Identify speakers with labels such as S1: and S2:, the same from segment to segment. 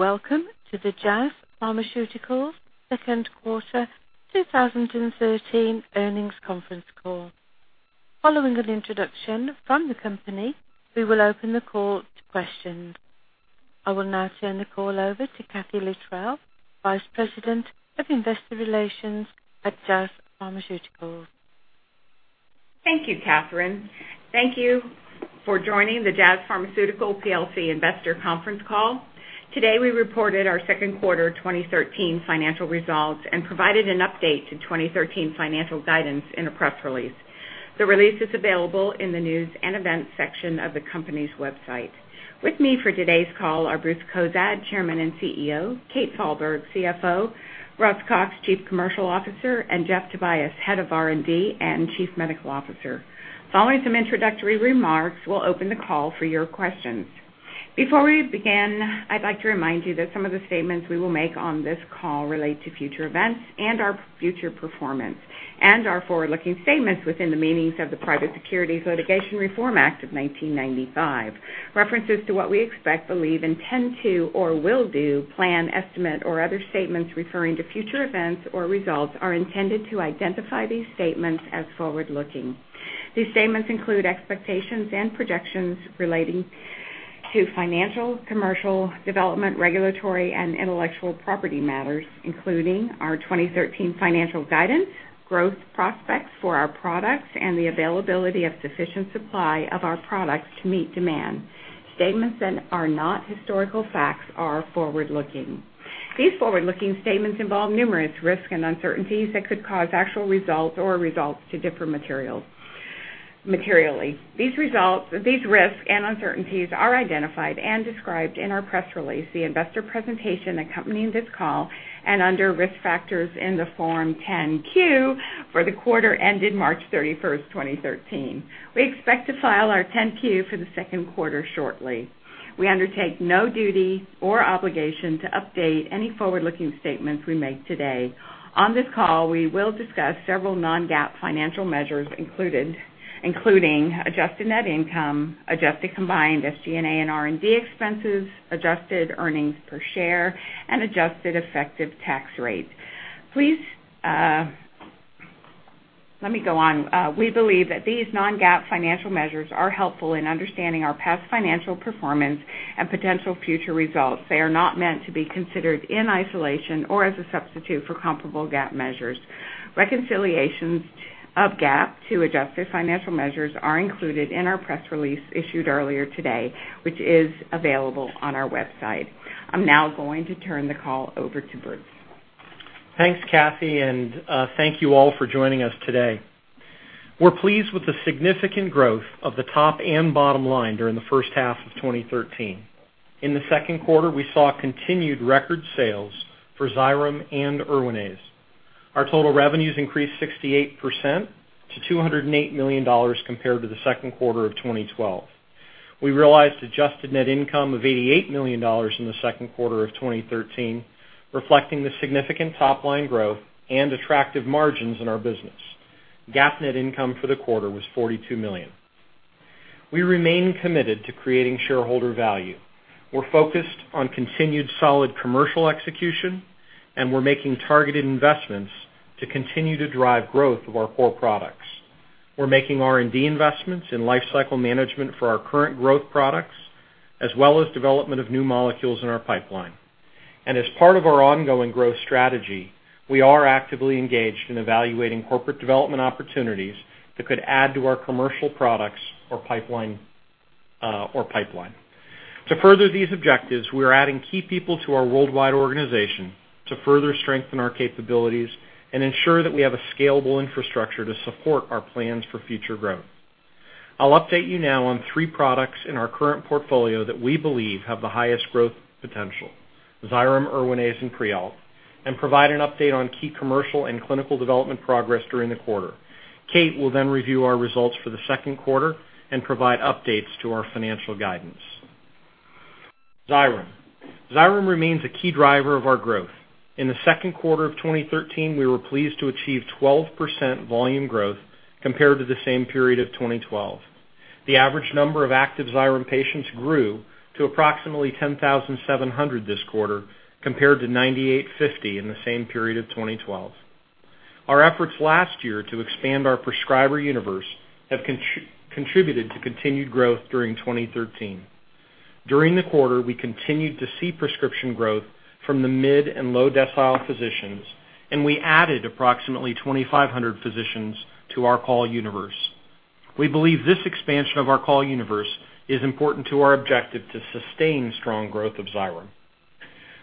S1: Welcome to the Jazz Pharmaceuticals second quarter 2013 earnings conference call. Following an introduction from the company, we will open the call to questions. I will now turn the call over to Kathee Littrell, Vice President of Investor Relations at Jazz Pharmaceuticals.
S2: Thank you, Catherine. Thank you for joining the Jazz Pharmaceuticals plc investor conference call. Today, we reported our second quarter 2013 financial results and provided an update to 2013 financial guidance in a press release. The release is available in the News and Events section of the company's website. With me for today's call are Bruce Cozadd, Chairman and CEO, Kathryn Falberg, CFO, Russell Cox, Chief Commercial Officer, and Jeffrey Tobias, Head of R&D and Chief Medical Officer. Following some introductory remarks, we'll open the call for your questions. Before we begin, I'd like to remind you that some of the statements we will make on this call relate to future events and our future performance, and are forward-looking statements within the meanings of the Private Securities Litigation Reform Act of 1995.
S3: References to what we expect, believe, intend to, or will do, plan, estimate, or other statements referring to future events or results are intended to identify these statements as forward-looking. These statements include expectations and projections relating to financial, commercial, development, regulatory, and intellectual property matters, including our 2013 financial guidance, growth prospects for our products, and the availability of sufficient supply of our products to meet demand. Statements that are not historical facts are forward-looking. These forward-looking statements involve numerous risks and uncertainties that could cause actual results to differ materially. These risks and uncertainties are identified and described in our press release, the investor presentation accompanying this call, and under Risk Factors in the Form 10-Q for the quarter ended March 31, 2013. We expect to file our 10-Q for the second quarter shortly. We undertake no duty or obligation to update any forward-looking statements we make today. On this call, we will discuss several non-GAAP financial measures included, including adjusted net income, adjusted combined SG&A and R&D expenses, adjusted earnings per share, and adjusted effective tax rate. We believe that these non-GAAP financial measures are helpful in understanding our past financial performance and potential future results. They are not meant to be considered in isolation or as a substitute for comparable GAAP measures. Reconciliations of GAAP to adjusted financial measures are included in our press release issued earlier today, which is available on our website. I'm now going to turn the call over to Bruce.
S4: Thanks, Kathee, and thank you all for joining us today. We're pleased with the significant growth of the top and bottom line during the first half of 2013. In the second quarter, we saw continued record sales for Xyrem and Erwinaze. Our total revenues increased 68% to $208 million compared to the second quarter of 2012. We realized adjusted net income of $88 million in the second quarter of 2013, reflecting the significant top-line growth and attractive margins in our business. GAAP net income for the quarter was $42 million. We remain committed to creating shareholder value. We're focused on continued solid commercial execution, and we're making targeted investments to continue to drive growth of our core products. We're making R&D investments in lifecycle management for our current growth products, as well as development of new molecules in our pipeline. As part of our ongoing growth strategy, we are actively engaged in evaluating corporate development opportunities that could add to our commercial products or pipeline. To further these objectives, we are adding key people to our worldwide organization to further strengthen our capabilities and ensure that we have a scalable infrastructure to support our plans for future growth. I'll update you now on three products in our current portfolio that we believe have the highest growth potential, Xyrem, Erwinaze, and Prialt, and provide an update on key commercial and clinical development progress during the quarter. Kathryn Falberg will then review our results for the second quarter and provide updates to our financial guidance. Xyrem. Xyrem remains a key driver of our growth. In the second quarter of 2013, we were pleased to achieve 12% volume growth compared to the same period of 2012. The average number of active Xyrem patients grew to approximately 10,700 this quarter, compared to 9,850 in the same period of 2012. Our efforts last year to expand our prescriber universe have contributed to continued growth during 2013. During the quarter, we continued to see prescription growth from the mid and low decile physicians, and we added approximately 2,500 physicians to our call universe. We believe this expansion of our call universe is important to our objective to sustain strong growth of Xyrem.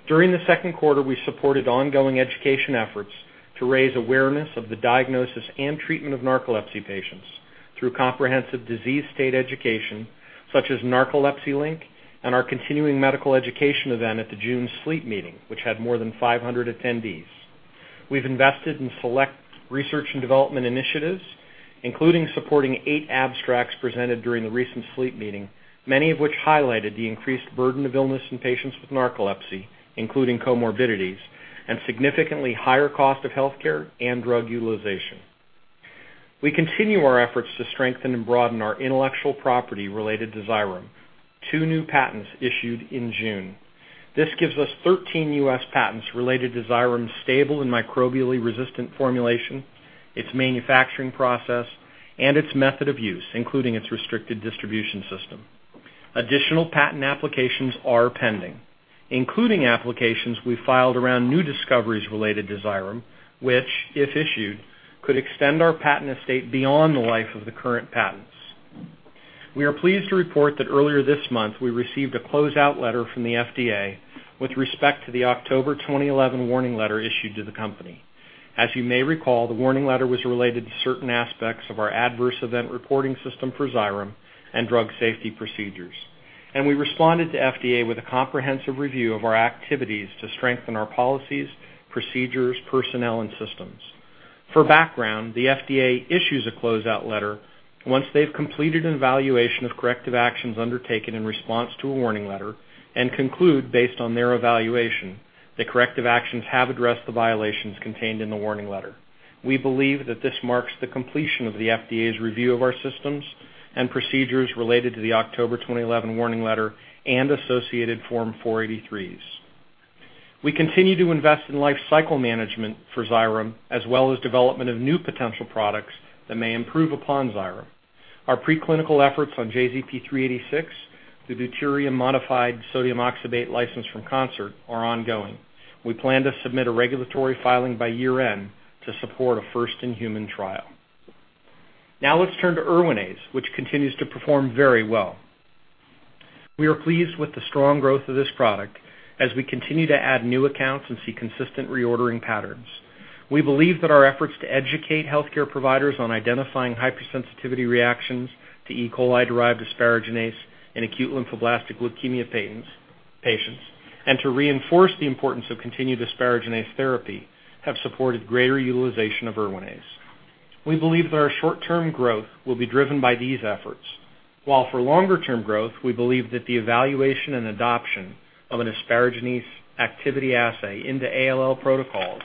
S4: During the second quarter, we supported ongoing education efforts to raise awareness of the diagnosis and treatment of narcolepsy patients through comprehensive disease state education such as Narcolepsy Link and our continuing medical education event at the June SLEEP Meeting, which had more than 500 attendees. We've invested in select research and development initiatives, including supporting eight abstracts presented during the recent SLEEP meeting, many of which highlighted the increased burden of illness in patients with narcolepsy, including comorbidities and significantly higher cost of healthcare and drug utilization. We continue our efforts to strengthen and broaden our intellectual property related to Xyrem. Two new patents issued in June. This gives us 13 U.S. patents related to Xyrem's stable and microbially resistant formulation, its manufacturing process, and its method of use, including its restricted distribution system. Additional patent applications are pending, including applications we filed around new discoveries related to Xyrem, which, if issued, could extend our patent estate beyond the life of the current patents. We are pleased to report that earlier this month, we received a closeout letter from the FDA with respect to the October 2011 warning letter issued to the company. As you may recall, the warning letter was related to certain aspects of our adverse event reporting system for Xyrem and drug safety procedures. We responded to FDA with a comprehensive review of our activities to strengthen our policies, procedures, personnel, and systems. For background, the FDA issues a closeout letter once they've completed an evaluation of corrective actions undertaken in response to a warning letter and conclude based on their evaluation that corrective actions have addressed the violations contained in the warning letter. We believe that this marks the completion of the FDA's review of our systems and procedures related to the October 2011 warning letter and associated Form 483s. We continue to invest in life cycle management for Xyrem, as well as development of new potential products that may improve upon Xyrem. Our preclinical efforts on JZP-386, the deuterium-modified sodium oxybate licensed from Concert, are ongoing. We plan to submit a regulatory filing by year-end to support a first-in-human trial. Now let's turn to Erwinaze, which continues to perform very well. We are pleased with the strong growth of this product as we continue to add new accounts and see consistent reordering patterns. We believe that our efforts to educate healthcare providers on identifying hypersensitivity reactions to E. coli-derived asparaginase in acute lymphoblastic leukemia patients, and to reinforce the importance of continued asparaginase therapy, have supported greater utilization of Erwinaze. We believe that our short-term growth will be driven by these efforts, while for longer-term growth, we believe that the evaluation and adoption of an asparaginase activity assay into ALL protocols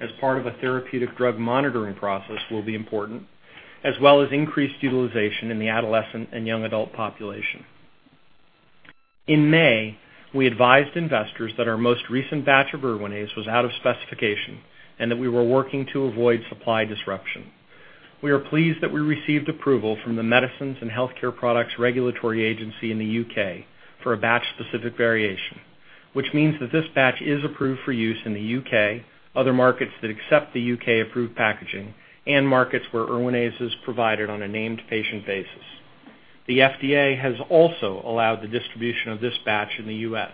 S4: as part of a therapeutic drug monitoring process will be important, as well as increased utilization in the adolescent and young adult population. In May, we advised investors that our most recent batch of Erwinaze was out of specification and that we were working to avoid supply disruption. We are pleased that we received approval from the Medicines and Healthcare Products Regulatory Agency in the U.K. for a batch-specific variation, which means that this batch is approved for use in the U.K., other markets that accept the U.K.-approved packaging, and markets where Erwinaze is provided on a named patient basis. The FDA has also allowed the distribution of this batch in the U.S.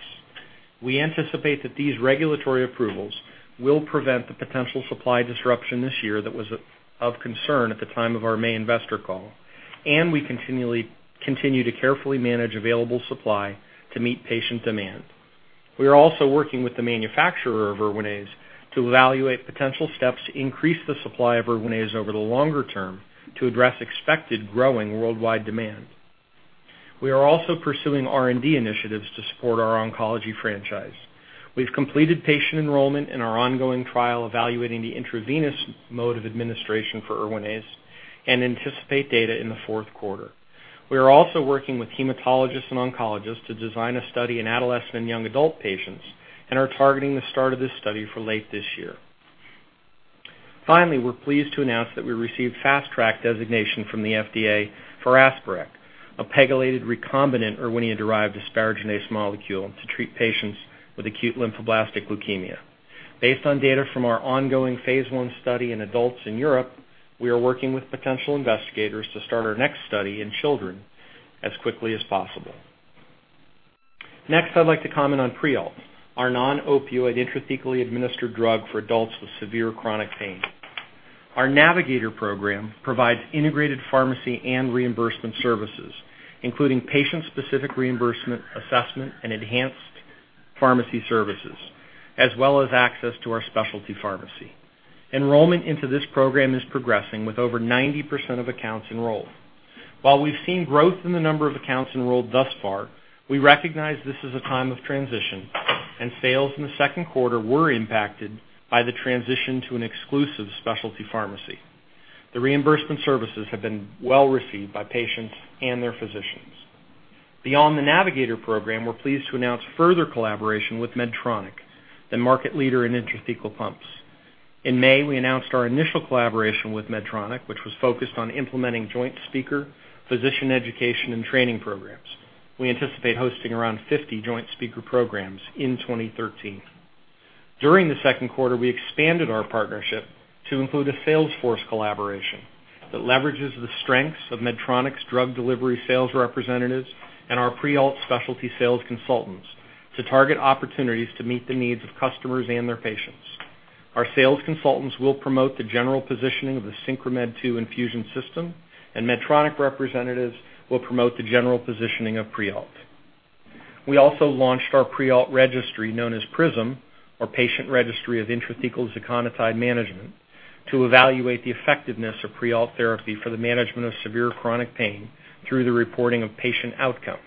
S4: We anticipate that these regulatory approvals will prevent the potential supply disruption this year that was of concern at the time of our May investor call, and we continue to carefully manage available supply to meet patient demand. We are also working with the manufacturer of Erwinaze to evaluate potential steps to increase the supply of Erwinaze over the longer term to address expected growing worldwide demand. We are also pursuing R&D initiatives to support our oncology franchise. We've completed patient enrollment in our ongoing trial evaluating the intravenous mode of administration for Erwinaze and anticipate data in the fourth quarter. We are also working with hematologists and oncologists to design a study in adolescent and young adult patients and are targeting the start of this study for late this year. Finally, we're pleased to announce that we received Fast Track designation from the FDA for Asparec, a pegylated recombinant Erwinia-derived asparaginase molecule to treat patients with acute lymphoblastic leukemia. Based on data from our ongoing phase I study in adults in Europe, we are working with potential investigators to start our next study in children as quickly as possible. Next, I'd like to comment on Prialt, our non-opioid intrathecally administered drug for adults with severe chronic pain. Our Navigator Program provides integrated pharmacy and reimbursement services, including patient-specific reimbursement assessment and enhanced pharmacy services, as well as access to our specialty pharmacy. Enrollment into this program is progressing with over 90% of accounts enrolled. While we've seen growth in the number of accounts enrolled thus far, we recognize this is a time of transition, and sales in the second quarter were impacted by the transition to an exclusive specialty pharmacy. The reimbursement services have been well-received by patients and their physicians. Beyond the Navigator Program, we're pleased to announce further collaboration with Medtronic, the market leader in intrathecal pumps. In May, we announced our initial collaboration with Medtronic, which was focused on implementing joint speaker, physician education, and training programs. We anticipate hosting around 50 joint speaker programs in 2013. During the second quarter, we expanded our partnership to include a sales force collaboration that leverages the strengths of Medtronic's drug delivery sales representatives and our Prialt specialty sales consultants to target opportunities to meet the needs of customers and their patients. Our sales consultants will promote the general positioning of the SynchroMed II infusion system, and Medtronic representatives will promote the general positioning of Prialt. We also launched our Prialt registry known as PRISM, or Patient Registry of Intrathecal Ziconotide Management, to evaluate the effectiveness of Prialt therapy for the management of severe chronic pain through the reporting of patient outcomes.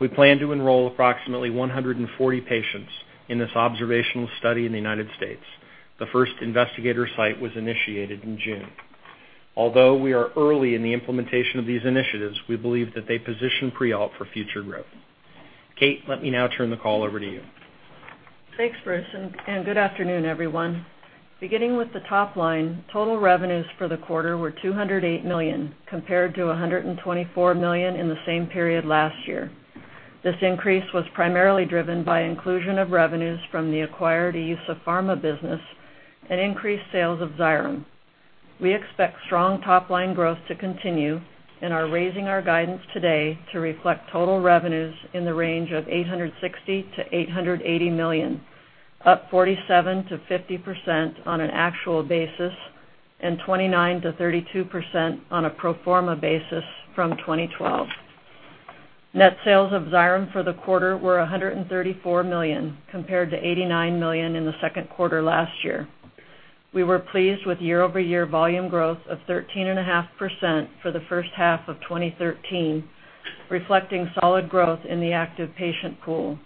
S4: We plan to enroll approximately 140 patients in this observational study in the United States. The first investigator site was initiated in June. Although we are early in the implementation of these initiatives, we believe that they position Prialt for future growth. Kate, let me now turn the call over to you.
S2: Thanks, Bruce, and good afternoon, everyone. Beginning with the top line, total revenues for the quarter were $208 million, compared to $124 million in the same period last year. This increase was primarily driven by inclusion of revenues from the acquired EUSA Pharma business and increased sales of Xyrem. We expect strong top line growth to continue and are raising our guidance today to reflect total revenues in the range of $860 million-$880 million, up 47%-50% on an actual basis and 29%-32% on a pro forma basis from 2012. Net sales of Xyrem for the quarter were $134 million, compared to $89 million in the second quarter last year. We were pleased with year-over-year volume growth of 13.5% for the first half of 2013, reflecting solid growth in the active patient pool.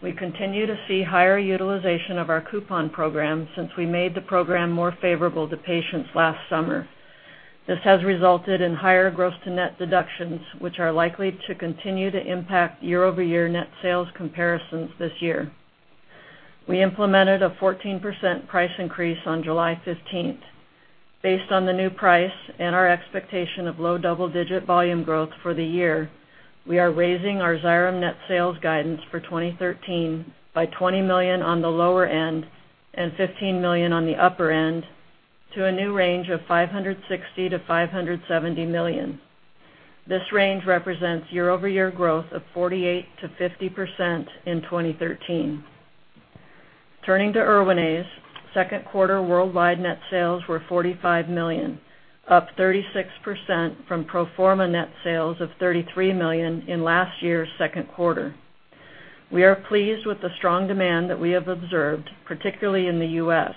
S2: We continue to see higher utilization of our coupon program since we made the program more favorable to patients last summer. This has resulted in higher gross to net deductions, which are likely to continue to impact year-over-year net sales comparisons this year. We implemented a 14% price increase on July 15th. Based on the new price and our expectation of low double-digit volume growth for the year, we are raising our Xyrem net sales guidance for 2013 by $20 million on the lower end and $15 million on the upper end to a new range of $560 million-$570 million. This range represents year-over-year growth of 48%-50% in 2013. Turning to Erwinaze, second quarter worldwide net sales were $45 million, up 36% from pro forma net sales of $33 million in last year's second quarter. We are pleased with the strong demand that we have observed, particularly in the U.S.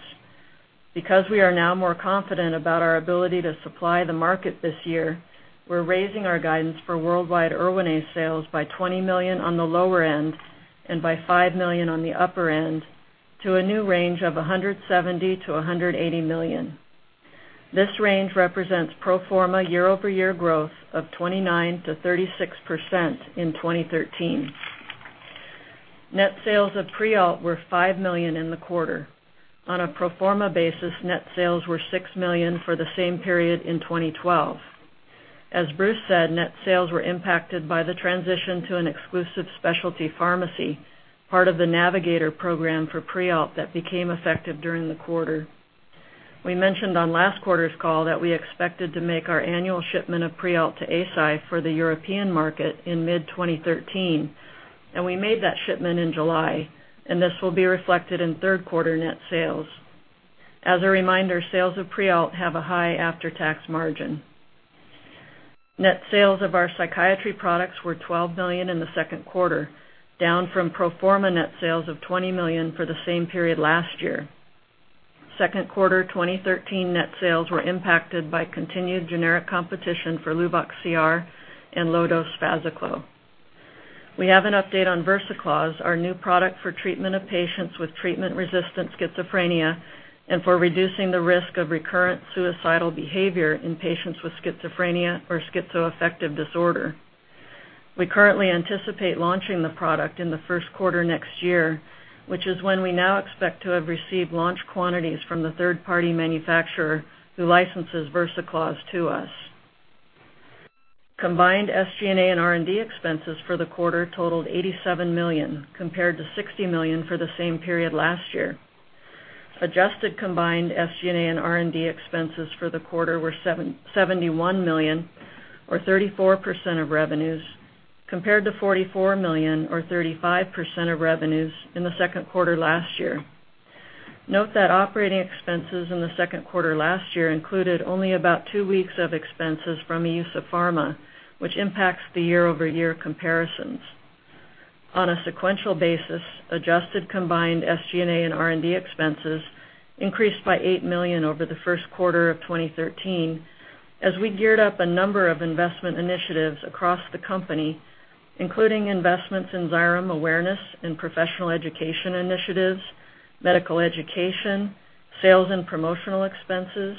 S2: Because we are now more confident about our ability to supply the market this year, we're raising our guidance for worldwide Erwinaze sales by $20 million on the lower end and by $5 million on the upper end to a new range of $170 million-$180 million. This range represents pro forma year-over-year growth of 29%-36% in 2013. Net sales of Prialt were $5 million in the quarter. On a pro forma basis, net sales were $6 million for the same period in 2012. As Bruce said, net sales were impacted by the transition to an exclusive specialty pharmacy, part of the Navigator Program for Prialt that became effective during the quarter. We mentioned on last quarter's call that we expected to make our annual shipment of Prialt to Eisai for the European market in mid-2013, and we made that shipment in July, and this will be reflected in third quarter net sales. As a reminder, sales of Prialt have a high after-tax margin. Net sales of our psychiatry products were $12 million in the second quarter, down from pro forma net sales of $20 million for the same period last year. Second quarter 2013 net sales were impacted by continued generic competition for Luvox CR and low-dose FazaClo. We have an update on Versacloz, our new product for treatment of patients with treatment-resistant schizophrenia and for reducing the risk of recurrent suicidal behavior in patients with schizophrenia or schizoaffective disorder. We currently anticipate launching the product in the first quarter next year, which is when we now expect to have received launch quantities from the third-party manufacturer who licenses Versacloz to us. Combined SG&A and R&D expenses for the quarter totaled $87 million, compared to $60 million for the same period last year. Adjusted combined SG&A and R&D expenses for the quarter were $771 million or 34% of revenues, compared to $44 million or 35% of revenues in the second quarter last year. Note that operating expenses in the second quarter last year included only about two weeks of expenses from EUSA Pharma, which impacts the year-over-year comparisons. On a sequential basis, adjusted combined SG&A and R&D expenses increased by $8 million over the first quarter of 2013 as we geared up a number of investment initiatives across the company, including investments in Xyrem awareness and professional education initiatives, medical education, sales and promotional expenses,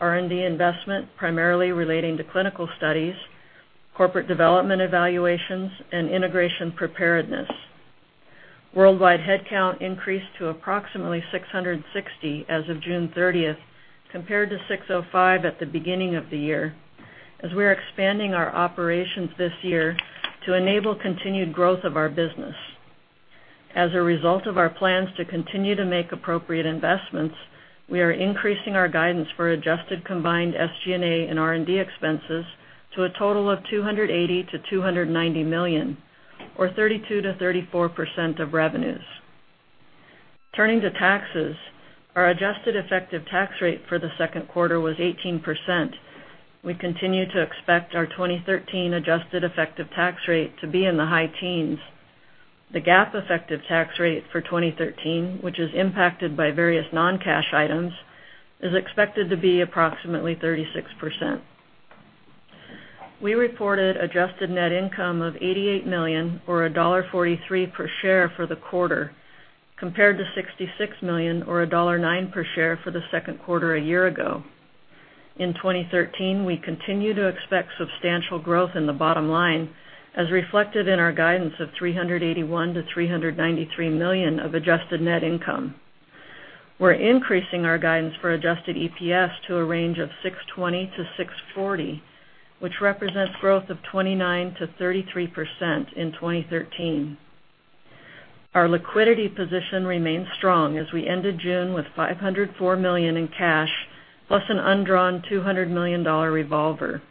S2: R&D investment, primarily relating to clinical studies, corporate development evaluations, and integration preparedness. Worldwide headcount increased to approximately 660 as of June 30 compared to 605 at the beginning of the year, as we are expanding our operations this year to enable continued growth of our business. As a result of our plans to continue to make appropriate investments, we are increasing our guidance for adjusted combined SG&A and R&D expenses to a total of $280 million-$290 million or 32%-34% of revenues. Turning to taxes, our adjusted effective tax rate for the second quarter was 18%. We continue to expect our 2013 adjusted effective tax rate to be in the high teens. The GAAP effective tax rate for 2013, which is impacted by various non-cash items, is expected to be approximately 36%. We reported adjusted net income of $88 million or $1.43 per share for the quarter, compared to $66 million or $1.09 per share for the second quarter a year ago. In 2013, we continue to expect substantial growth in the bottom line as reflected in our guidance of $381 million-$393 million of adjusted net income. We're increasing our guidance for adjusted EPS to a range of $6.20-$6.40, which represents growth of 29%-33% in 2013. Our liquidity position remains strong as we ended June with $504 million in cash, plus an undrawn $200 million revolver.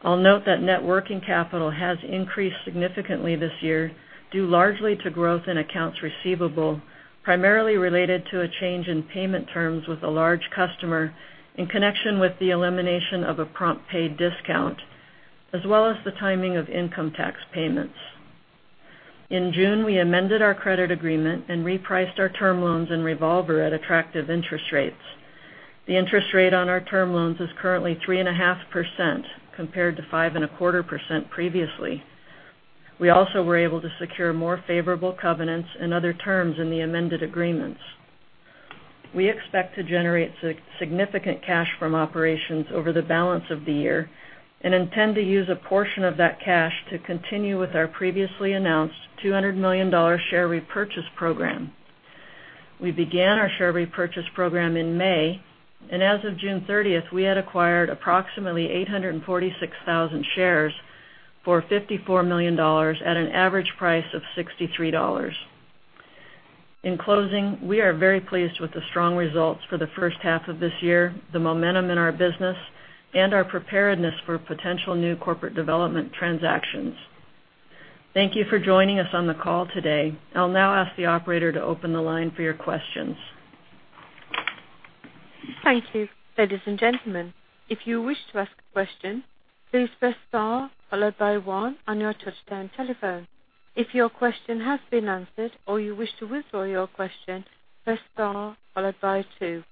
S2: I'll note that net working capital has increased significantly this year, due largely to growth in accounts receivable, primarily related to a change in payment terms with a large customer in connection with the elimination of a prompt pay discount, as well as the timing of income tax payments. In June, we amended our credit agreement and repriced our term loans and revolver at attractive interest rates. The interest rate on our term loans is currently 3.5% compared to 5.25% previously. We also were able to secure more favorable covenants and other terms in the amended agreements. We expect to generate significant cash from operations over the balance of the year and intend to use a portion of that cash to continue with our previously announced $200 million share repurchase program. We began our share repurchase program in May, and as of June 30th, we had acquired approximately 846,000 shares for $54 million at an average price of $63. In closing, we are very pleased with the strong results for the first half of this year, the momentum in our business and our preparedness for potential new corporate development transactions. Thank you for joining us on the call today. I'll now ask the operator to open the line for your questions.
S1: Thank you. Ladies and gentlemen, if you wish to ask a question, please press star followed by one on your touchtone telephone. If your question has been answered or you wish to withdraw your question, press star followed by two.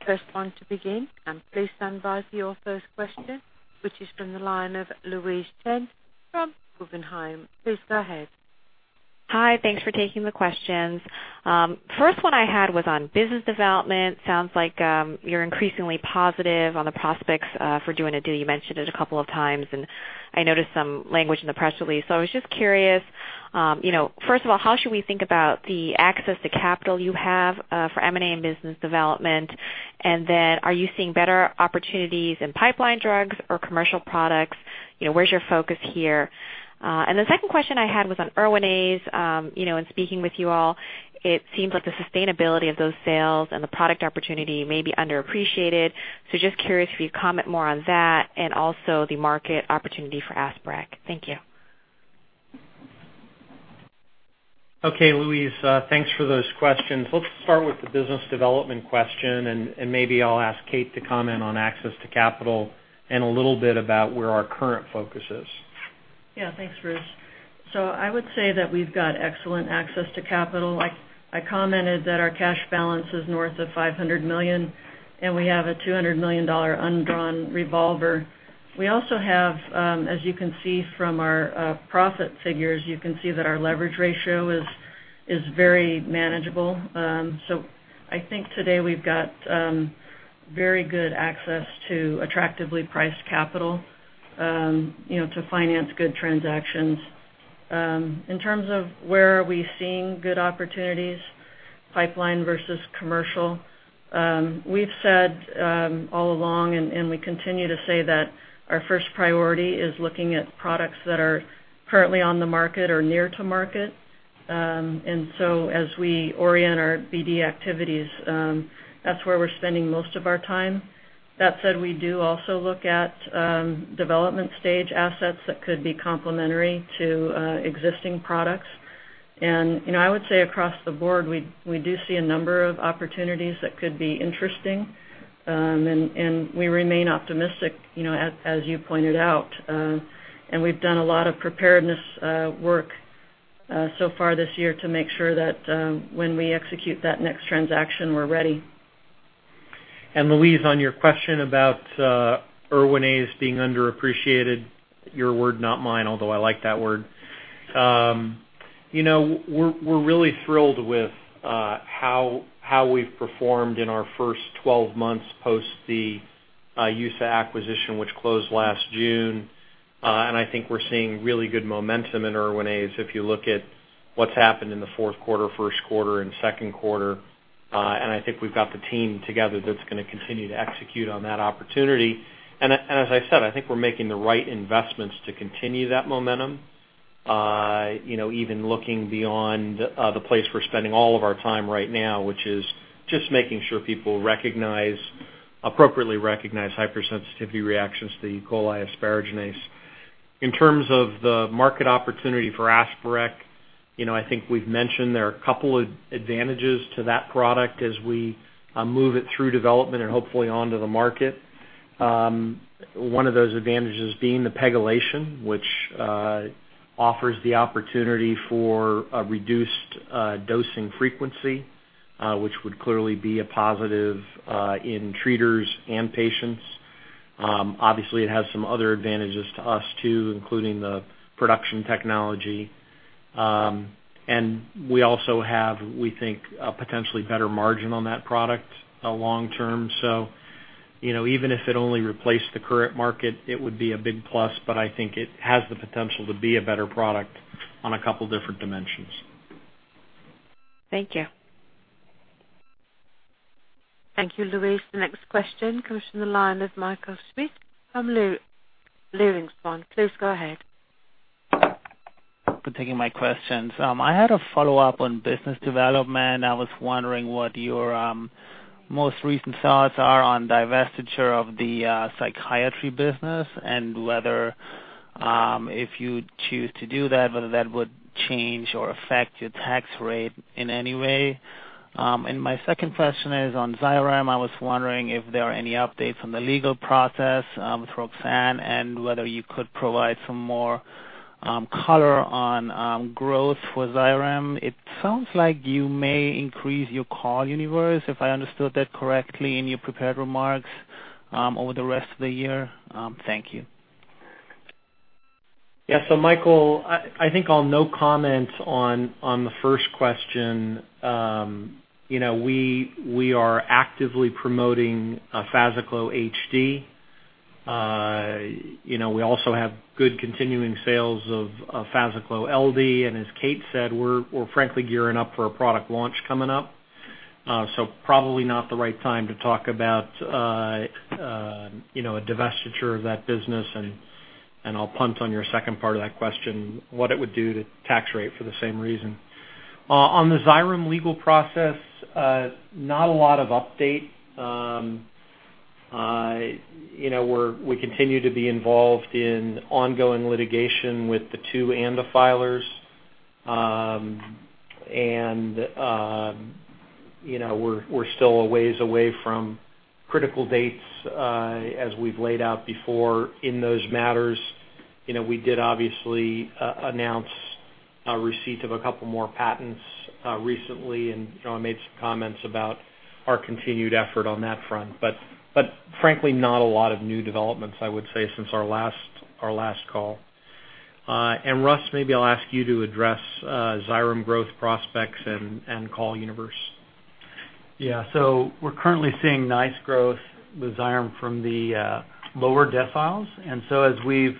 S1: Press one to begin, and please stand by for your first question, which is from the line of Louise Chen from Guggenheim. Please go ahead.
S5: Hi. Thanks for taking the questions. First one I had was on business development. Sounds like you're increasingly positive on the prospects for doing a deal. You mentioned it a couple of times, and I noticed some language in the press release. So I was just curious, you know, first of all, how should we think about the access to capital you have for M&A and business development? And then are you seeing better opportunities in pipeline drugs or commercial products? You know, where's your focus here? And the second question I had was on Erwinaze. You know, in speaking with you all, it seems like the sustainability of those sales and the product opportunity may be underappreciated. So just curious if you'd comment more on that and also the market opportunity for Xyrem. Thank you.
S4: Okay, Louise, thanks for those questions. Let's start with the business development question, and maybe I'll ask Kate to comment on access to capital and a little bit about where our current focus is. Yeah.
S2: Thanks, Bruce. I would say that we've got excellent access to capital. I commented that our cash balance is north of $500 million, and we have a $200 million undrawn revolver. We also have, as you can see from our profit figures, you can see that our leverage ratio is very manageable. I think today we've got very good access to attractively priced capital, you know, to finance good transactions. In terms of where are we seeing good opportunities, pipeline versus commercial, we've said all along, and we continue to say that our first priority is looking at products that are currently on the market or near to market. As we orient our BD activities, that's where we're spending most of our time. That said, we do also look at development stage assets that could be complementary to existing products. You know, I would say across the board, we do see a number of opportunities that could be interesting, and we remain optimistic, you know, as you pointed out. We've done a lot of preparedness work so far this year to make sure that when we execute that next transaction, we're ready.
S4: Louise, on your question about Erwinaze being underappreciated, your word, not mine, although I like that word. You know, we're really thrilled with how we've performed in our first 12 months post the Azur acquisition, which closed last June. I think we're seeing really good momentum in Erwinaze if you look at what's happened in the fourth quarter, first quarter and second quarter. I think we've got the team together that's gonna continue to execute on that opportunity. As I said, I think we're making the right investments to continue that momentum, you know, even looking beyond the place we're spending all of our time right now, which is just making sure people recognize, appropriately recognize hypersensitivity reactions to the E. coli asparaginase. In terms of the market opportunity for Xyrem, you know, I think we've mentioned there are a couple advantages to that product as we move it through development and hopefully onto the market. One of those advantages being the pegylation, which offers the opportunity for a reduced dosing frequency, which would clearly be a positive in treaters and patients. Obviously, it has some other advantages to us, too, including the production technology. We also have, we think, a potentially better margin on that product long term. You know, even if it only replaced the current market, it would be a big plus, but I think it has the potential to be a better product on a couple different dimensions.
S5: Thank you.
S1: Thank you, Louise. The next question comes from the line of Michael Schmidt from Leerink Swann. Please go ahead.
S6: for taking my questions. I had a follow-up on business development. I was wondering what your most recent thoughts are on divestiture of the psychiatry business and whether, if you choose to do that, whether that would change or affect your tax rate in any way. My second question is on Xyrem. I was wondering if there are any updates on the legal process with Roxane and whether you could provide some more color on growth for Xyrem. It sounds like you may increase your call universe, if I understood that correctly in your prepared remarks, over the rest of the year. Thank you.
S4: Yeah. Michael, I think I'll no comment on the first question. You know, we are actively promoting FazaClo HD. You know, we also have good continuing sales of FazaClo LD. As Kate said, we're frankly gearing up for a product launch coming up. Probably not the right time to talk about you know, a divestiture of that business. I'll punt on your second part of that question, what it would do to tax rate for the same reason. On the Xyrem legal process, not a lot of update. You know, we continue to be involved in ongoing litigation with the two ANDA filers. You know, we're still a ways away from critical dates, as we've laid out before in those matters. You know, we did obviously announce a receipt of a couple more patents recently, and you know, I made some comments about our continued effort on that front. Frankly, not a lot of new developments, I would say, since our last call. Russ, maybe I'll ask you to address Xyrem growth prospects and call universe.
S7: Yeah. We're currently seeing nice growth with Xyrem from the lower deciles. As we've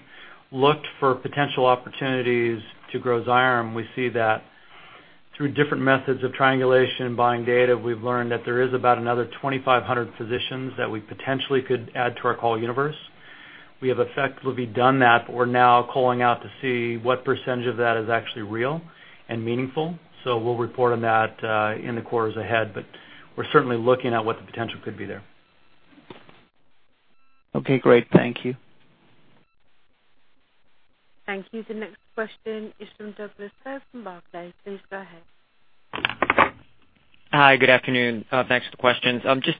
S7: looked for potential opportunities to grow Xyrem, we see that through different methods of triangulation and buying data, we've learned that there is about another 2,500 physicians that we potentially could add to our call universe. We have effectively done that, but we're now calling out to see what percentage of that is actually real and meaningful. We'll report on that in the quarters ahead, but we're certainly looking at what the potential could be there.
S6: Okay, great. Thank you.
S1: Thank you. The next question is from Douglas Tsao from Barclays. Please go ahead.
S8: Hi. Good afternoon. Thanks for the questions. Just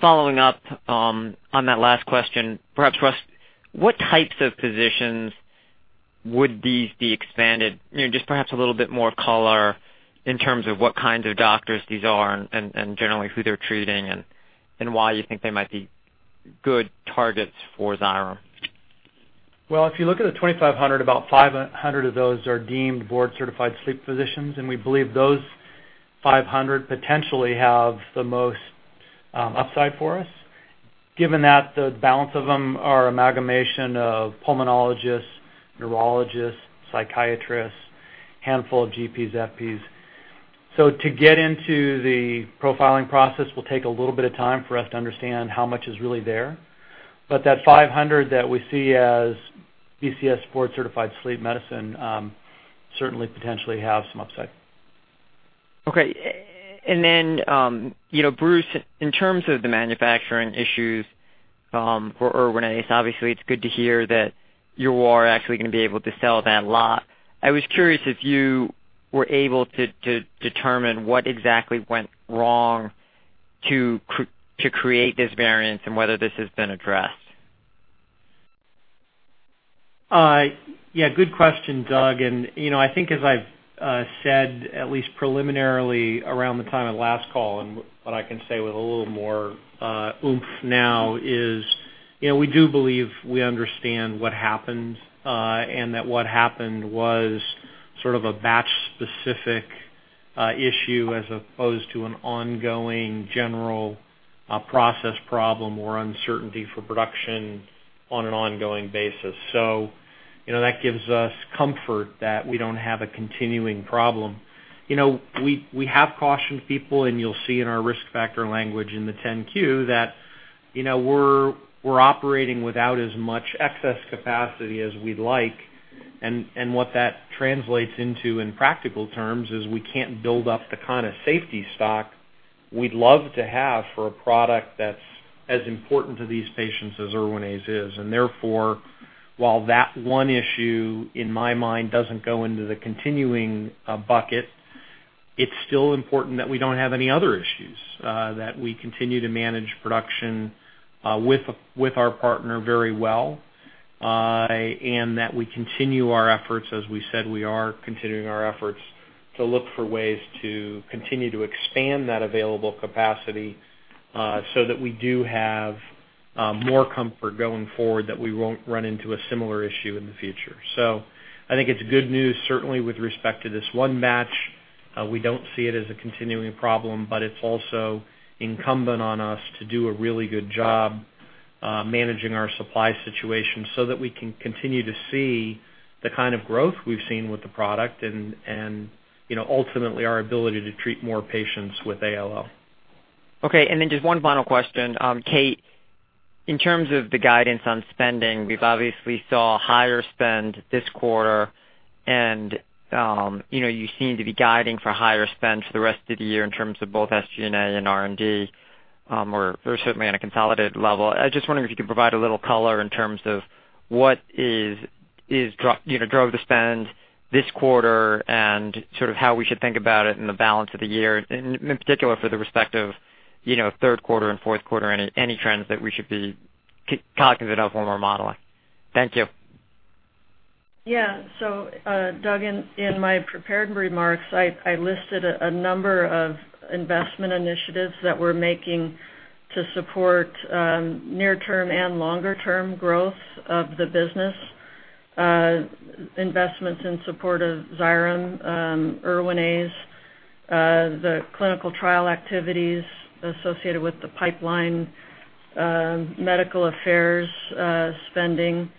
S8: following up on that last question, perhaps, Russ, what types of physicians would these be expanded? You know, just perhaps a little bit more color in terms of what kinds of doctors these are and generally who they're treating and why you think they might be good targets for Xyrem.
S7: Well, if you look at the 2,500, about 500 of those are deemed board-certified sleep physicians, and we believe those 500 potentially have the most upside for us. Given that the balance of them is an amalgamation of pulmonologists, neurologists, psychiatrists, handful of GPs, FPs. To get into the profiling process will take a little bit of time for us to understand how much is really there. That 500 that we see as BCS board-certified sleep medicine certainly potentially have some upside.
S8: You know, Bruce, in terms of the manufacturing issues, for Erwinaze, obviously it's good to hear that you are actually gonna be able to sell that lot. I was curious if you were able to determine what exactly went wrong to create this variance and whether this has been addressed.
S4: Yeah, good question, Doug. You know, I think as I've said at least preliminarily around the time of last call and what I can say with a little more oomph now is, you know, we do believe we understand what happened and that what happened was sort of a batch-specific issue as opposed to an ongoing general process problem or uncertainty for production on an ongoing basis. You know, that gives us comfort that we don't have a continuing problem. You know, we have cautioned people, and you'll see in our risk factor language in the 10-Q that, you know, we're operating without as much excess capacity as we'd like. What that translates into in practical terms is we can't build up the kinda safety stock we'd love to have for a product that's as important to these patients as Erwinaze is. Therefore, while that one issue, in my mind, doesn't go into the continuing bucket. It's still important that we don't have any other issues that we continue to manage production with our partner very well. That we continue our efforts, as we said, we are continuing our efforts to look for ways to continue to expand that available capacity so that we do have more comfort going forward that we won't run into a similar issue in the future. I think it's good news, certainly with respect to this one batch. We don't see it as a continuing problem, but it's also incumbent on us to do a really good job managing our supply situation so that we can continue to see the kind of growth we've seen with the product and, you know, ultimately our ability to treat more patients with ALL.
S8: Okay. Then just one final question. Kate, in terms of the guidance on spending, we've obviously saw higher spend this quarter, and, you know, you seem to be guiding for higher spend for the rest of the year in terms of both SG&A and R&D, or certainly on a consolidated level. I was just wondering if you could provide a little color in terms of what drove the spend this quarter and sort of how we should think about it in the balance of the year, in particular for the respective third quarter and fourth quarter, any trends that we should be calculating it up when we're modeling. Thank you.
S2: Doug, in my prepared remarks, I listed a number of investment initiatives that we're making to support near term and longer term growth of the business, investments in support of Xyrem, Erwinaze, the clinical trial activities associated with the pipeline, medical affairs, spending.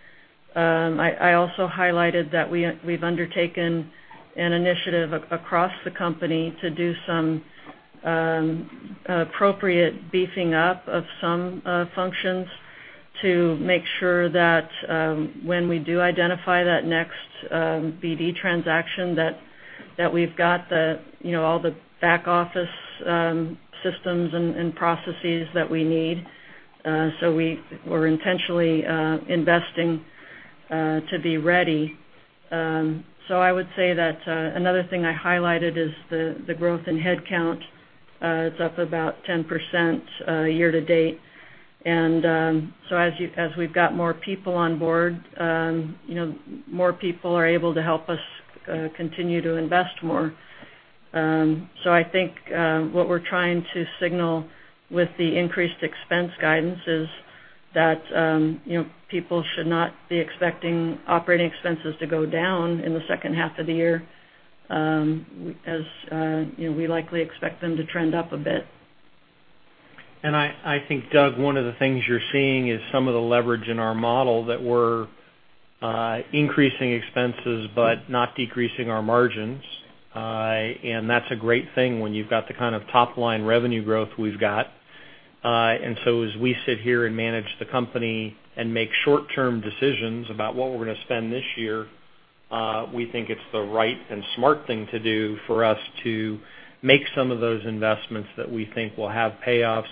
S2: I also highlighted that we've undertaken an initiative across the company to do some appropriate beefing up of some functions to make sure that when we do identify that next BD transaction, that we've got the you know all the back office systems and processes that we need. We're intentionally investing to be ready. I would say that another thing I highlighted is the growth in headcount. It's up about 10% year to date. As we've got more people on board, you know, more people are able to help us continue to invest more. I think what we're trying to signal with the increased expense guidance is that, you know, people should not be expecting operating expenses to go down in the second half of the year, as you know, we likely expect them to trend up a bit.
S4: I think, Doug, one of the things you're seeing is some of the leverage in our model that we're increasing expenses but not decreasing our margins. That's a great thing when you've got the kind of top line revenue growth we've got. As we sit here and manage the company and make short-term decisions about what we're gonna spend this year, we think it's the right and smart thing to do for us to make some of those investments that we think will have payoffs,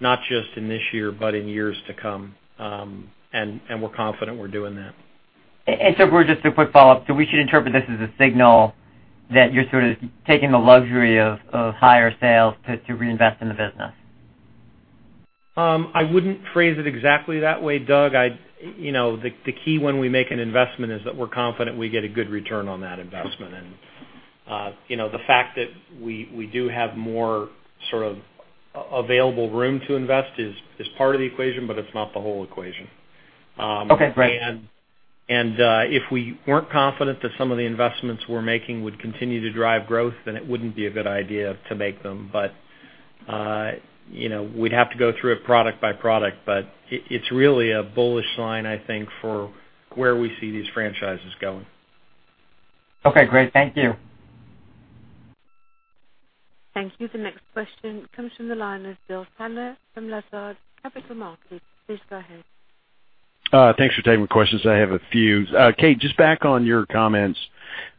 S4: not just in this year, but in years to come. We're confident we're doing that.
S8: Bruce, just a quick follow-up. We should interpret this as a signal that you're sort of taking the luxury of higher sales to reinvest in the business?
S4: I wouldn't phrase it exactly that way, Doug. I'd you know the key when we make an investment is that we're confident we get a good return on that investment. You know, the fact that we do have more sort of available room to invest is part of the equation, but it's not the whole equation.
S8: Okay, great.
S4: If we weren't confident that some of the investments we're making would continue to drive growth, then it wouldn't be a good idea to make them. You know, we'd have to go through it product by product. It's really a bullish line, I think, for where we see these franchises going.
S8: Okay, great. Thank you.
S1: Thank you. The next question comes from the line of William Tanner from Lazard Capital Markets. Please go ahead.
S9: Thanks for taking the questions. I have a few. Kate, just back on your comments,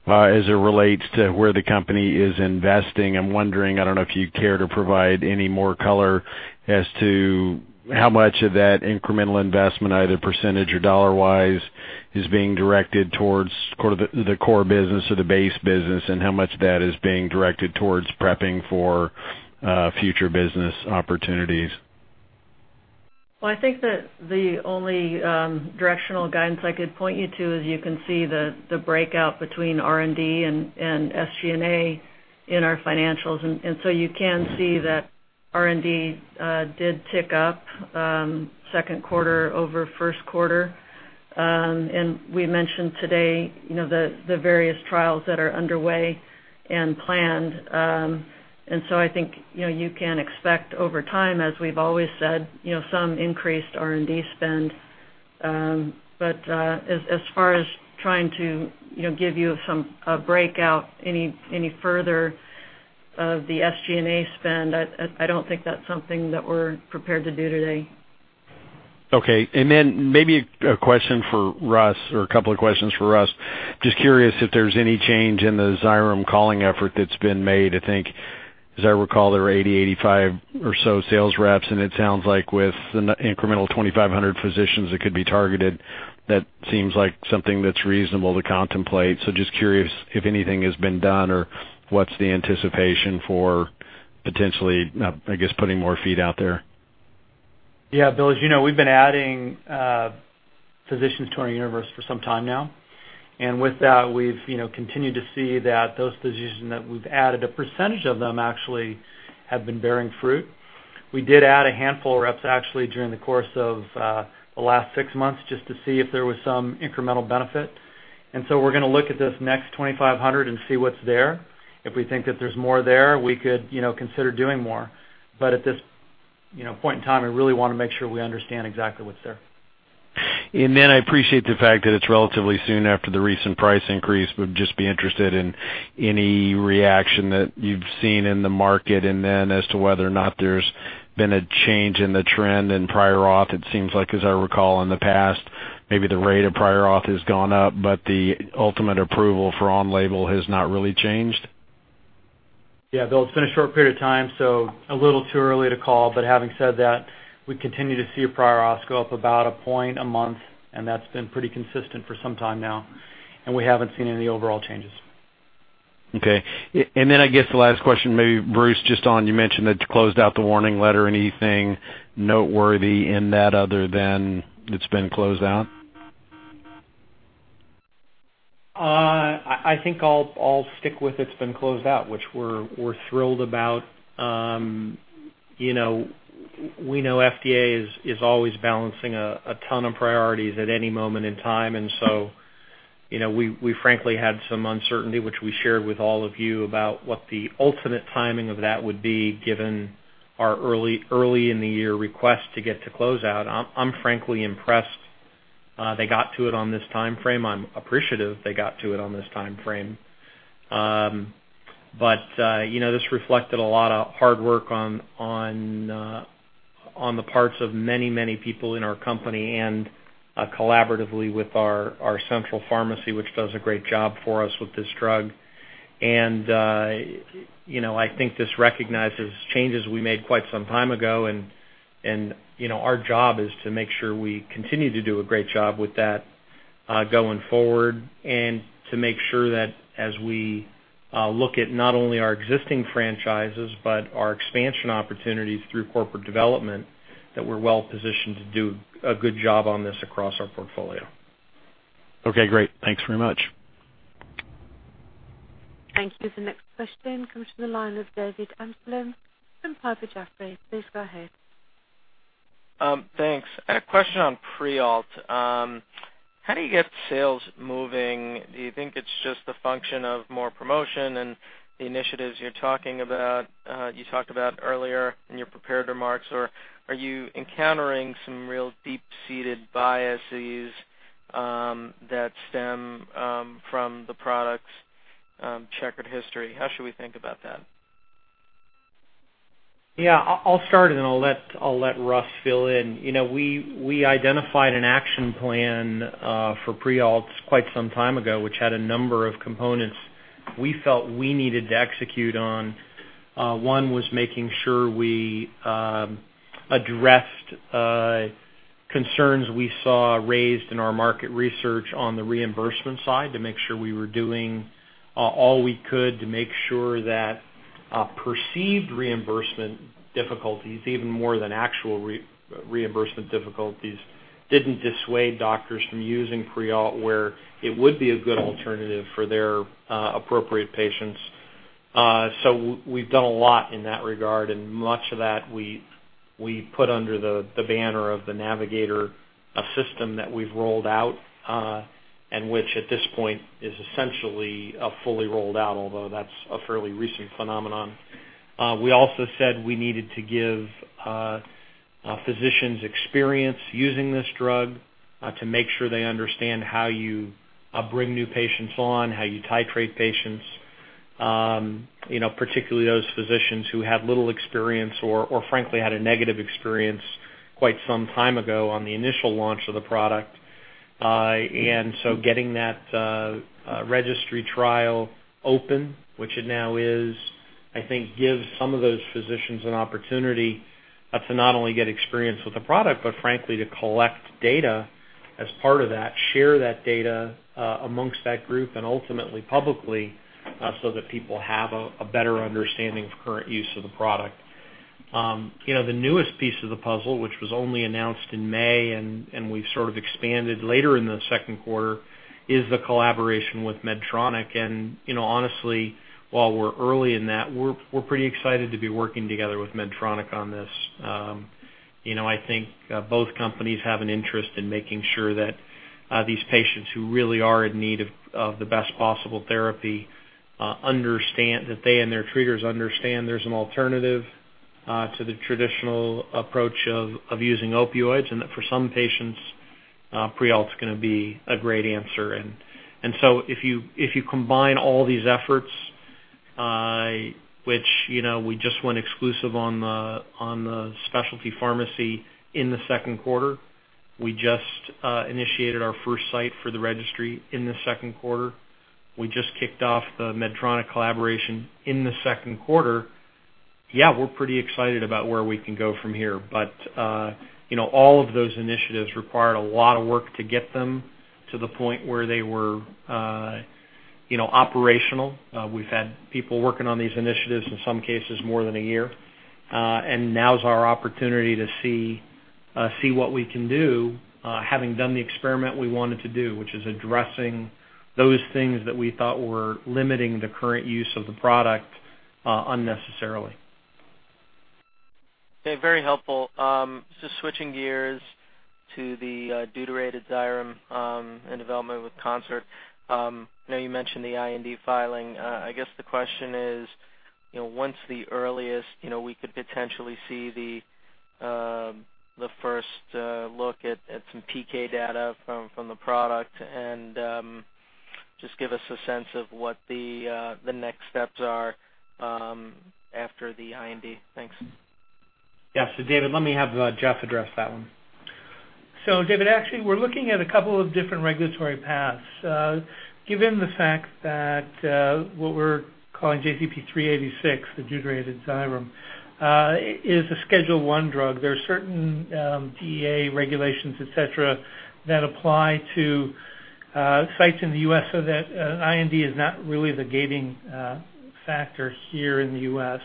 S9: as it relates to where the company is investing, I'm wondering, I don't know if you'd care to provide any more color as to how much of that incremental investment, either percentage or dollar-wise, is being directed towards sort of the core business or the base business, and how much of that is being directed towards prepping for future business opportunities.
S2: Well, I think that the only directional guidance I could point you to is you can see the breakout between R&D and SG&A in our financials. You can see that R&D did tick up second quarter over first quarter. We mentioned today, you know, the various trials that are underway and planned. I think, you know, you can expect over time, as we've always said, you know, some increased R&D spend. But as far as trying to, you know, give you some breakout any further of the SG&A spend, I don't think that's something that we're prepared to do today.
S9: Okay. Maybe a question for Russ, or a couple of questions for Russ. Just curious if there's any change in the Xyrem calling effort that's been made. I think, as I recall, there were 85 or so sales reps, and it sounds like with the an incremental 2,500 physicians that could be targeted, that seems like something that's reasonable to contemplate. Just curious if anything has been done or what's the anticipation for potentially, I guess, putting more feet out there?
S7: Yeah, Bill, as you know, we've been adding physicians to our universe for some time now. With that, we've, you know, continued to see that those physicians that we've added, a percentage of them actually have been bearing fruit. We did add a handful of reps actually during the course of the last six months just to see if there was some incremental benefit. We're gonna look at this next 2,500 and see what's there. If we think that there's more there, we could, you know, consider doing more. At this, you know, point in time, we really wanna make sure we understand exactly what's there.
S9: I appreciate the fact that it's relatively soon after the recent price increase, would just be interested in any reaction that you've seen in the market. As to whether or not there's been a change in the trend in prior auth, it seems like, as I recall in the past, maybe the rate of prior auth has gone up, but the ultimate approval for on-label has not really changed.
S4: Yeah, Bill, it's been a short period of time, so a little too early to call. Having said that, we continue to see a prior auth go up about a point a month, and that's been pretty consistent for some time now, and we haven't seen any overall changes.
S9: Okay. I guess the last question, maybe Bruce, just on, you mentioned that you closed out the warning letter. Anything noteworthy in that other than it's been closed out?
S4: I think I'll stick with it's been closed out, which we're thrilled about. You know, we know FDA is always balancing a ton of priorities at any moment in time. You know, we frankly had some uncertainty, which we shared with all of you about what the ultimate timing of that would be, given our early in the year request to get to close out. I'm frankly impressed they got to it on this timeframe. I'm appreciative they got to it on this timeframe. You know, this reflected a lot of hard work on the parts of many people in our company and collaboratively with our central pharmacy, which does a great job for us with this drug. You know, I think this recognizes changes we made quite some time ago and, you know, our job is to make sure we continue to do a great job with that, going forward and to make sure that as we look at not only our existing franchises, but our expansion opportunities through corporate development, that we're well-positioned to do a good job on this across our portfolio.
S9: Okay, great. Thanks very much.
S1: Thank you. The next question comes from the line of David Amsellem from Piper Jaffray. Please go ahead.
S10: Thanks. I had a question on Prialt. How do you get sales moving? Do you think it's just a function of more promotion and the initiatives you're talking about, you talked about earlier in your prepared remarks, or are you encountering some real deep-seated biases, that stem from the product's checkered history? How should we think about that?
S4: Yeah, I'll start and then I'll let Russ fill in. We identified an action plan for Prialt quite some time ago, which had a number of components we felt we needed to execute on. One was making sure we addressed concerns we saw raised in our market research on the reimbursement side to make sure we were doing all we could to make sure that perceived reimbursement difficulties, even more than actual reimbursement difficulties, didn't dissuade doctors from using Prialt where it would be a good alternative for their appropriate patients. We've done a lot in that regard, and much of that we put under the banner of the Navigator, a system that we've rolled out, and which at this point is essentially fully rolled out, although that's a fairly recent phenomenon. We also said we needed to give physicians experience using this drug, to make sure they understand how you bring new patients on, how you titrate patients, you know, particularly those physicians who have little experience or frankly had a negative experience quite some time ago on the initial launch of the product. Getting that registry trial open, which it now is, I think gives some of those physicians an opportunity to not only get experience with the product, but frankly, to collect data as part of that, share that data amongst that group and ultimately publicly, so that people have a better understanding of current use of the product. You know, the newest piece of the puzzle, which was only announced in May and we sort of expanded later in the second quarter, is the collaboration with Medtronic. You know, honestly, while we're early in that, we're pretty excited to be working together with Medtronic on this. You know, I think both companies have an interest in making sure that these patients who really are in need of the best possible therapy understand that they and their treaters understand there's an alternative to the traditional approach of using opioids, and that for some patients, Prialt's gonna be a great answer. If you combine all these efforts, which, you know, we just went exclusive on the specialty pharmacy in the second quarter. We just initiated our first site for the registry in the second quarter. We just kicked off the Medtronic collaboration in the second quarter. Yeah, we're pretty excited about where we can go from here. You know, all of those initiatives required a lot of work to get them to the point where they were, you know, operational. We've had people working on these initiatives, in some cases more than a year. Now is our opportunity to see what we can do, having done the experiment we wanted to do, which is addressing those things that we thought were limiting the current use of the product, unnecessarily.
S10: Okay, very helpful. Just switching gears to the deuterated Xyrem and development with Concert. I know you mentioned the IND filing. I guess the question is, you know, what's the earliest we could potentially see the first look at some PK data from the product and just give us a sense of what the next steps are after the IND. Thanks.
S4: Yeah. David, let me have Jeff address that one.
S11: David, actually, we're looking at a couple of different regulatory paths. Given the fact that what we're calling JZP-386, the deuterated Xyrem, is a Schedule I drug. There are certain DEA regulations, et cetera, that apply to sites in the U.S. so that an IND is not really the gating factor here in the U.S.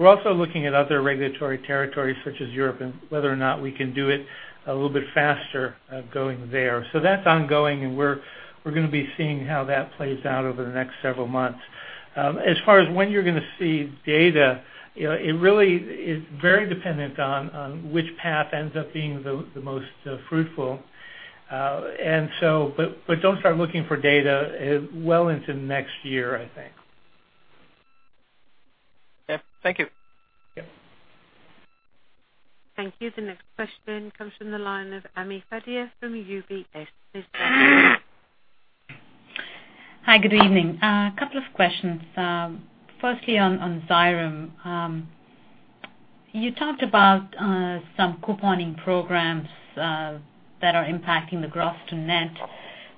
S11: We're also looking at other regulatory territories such as Europe and whether or not we can do it a little bit faster going there. That's ongoing, and we're gonna be seeing how that plays out over the next several months. As far as when you're gonna see data, you know, it really is very dependent on which path ends up being the most fruitful. But don't start looking for data well into next year, I think.
S10: Yeah. Thank you.
S11: Yep.
S1: Thank you. The next question comes from the line of Ami Fadia from UBS. Please go ahead.
S12: Hi. Good evening. A couple of questions. Firstly on Xyrem. You talked about some couponing programs that are impacting the gross to net.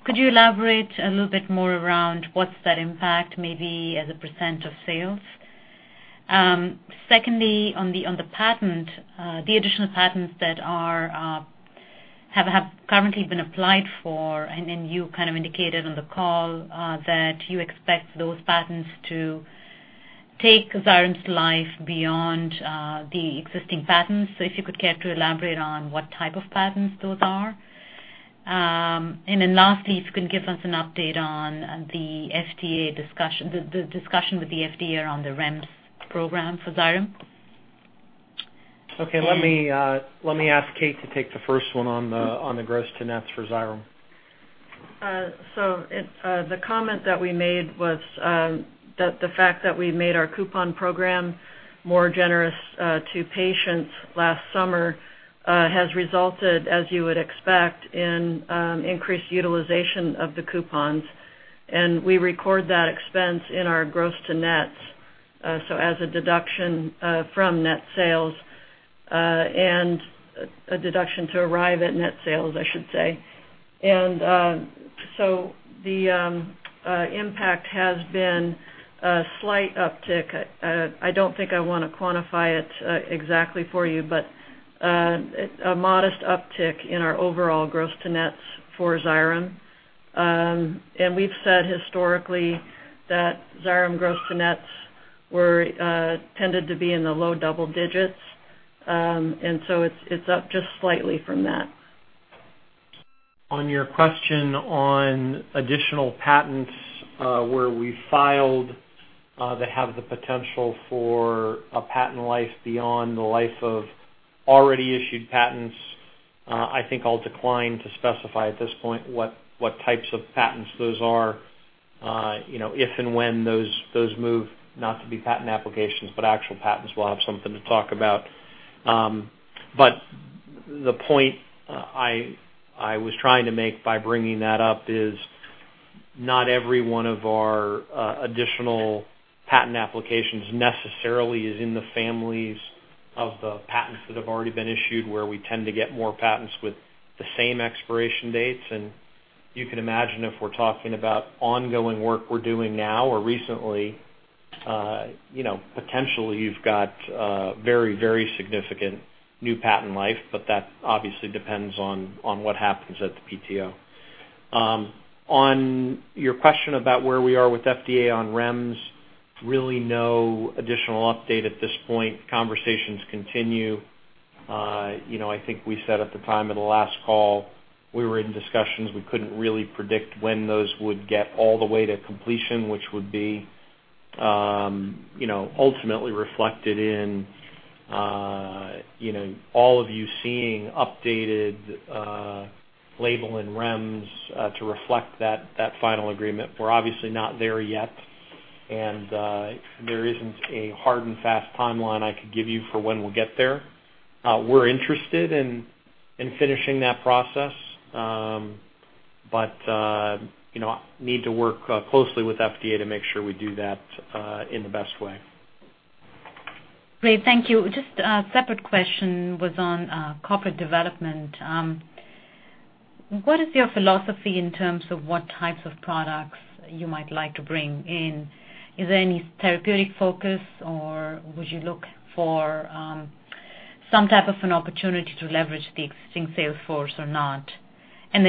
S12: Could you elaborate a little bit more around what's that impact maybe as a % of sales? Secondly, on the patent, the additional patents that have currently been applied for, and then you kind of indicated on the call that you expect those patents to take Xyrem's life beyond the existing patents. If you could care to elaborate on what type of patents those are. And then lastly, if you can give us an update on the FDA discussion, the discussion with the FDA on the REMS program for Xyrem.
S4: Okay. Let me ask Kate to take the first one on the gross to nets for Xyrem.
S2: It's the comment that we made was that the fact that we made our coupon program more generous to patients last summer has resulted, as you would expect, in increased utilization of the coupons. We record that expense in our gross to net, so as a deduction from net sales, and a deduction to arrive at net sales, I should say. The impact has been a slight uptick. I don't think I wanna quantify it exactly for you, but a modest uptick in our overall gross to nets for Xyrem. We've said historically that Xyrem gross to nets were tended to be in the low double digits. It's up just slightly from that.
S4: On your question on additional patents, where we filed, that have the potential for a patent life beyond the life of already issued patents, I think I'll decline to specify at this point what types of patents those are. You know, if and when those move not to be patent applications, but actual patents, we'll have something to talk about. The point I was trying to make by bringing that up is not every one of our additional patent applications necessarily is in the families of the patents that have already been issued, where we tend to get more patents with the same expiration dates. You can imagine if we're talking about ongoing work we're doing now or recently, you know, potentially you've got, very, very significant new patent life, but that obviously depends on what happens at the PTO. On your question about where we are with FDA on REMS, really no additional update at this point. Conversations continue. You know, I think we said at the time of the last call, we were in discussions. We couldn't really predict when those would get all the way to completion, which would be, you know, ultimately reflected in, you know, all of you seeing updated, label and REMS, to reflect that final agreement. We're obviously not there yet, and there isn't a hard and fast timeline I could give you for when we'll get there. We're interested in finishing that process. You know, need to work closely with FDA to make sure we do that in the best way.
S12: Great. Thank you. Just a separate question was on corporate development. What is your philosophy in terms of what types of products you might like to bring in? Is there any therapeutic focus or would you look for some type of an opportunity to leverage the existing sales force or not?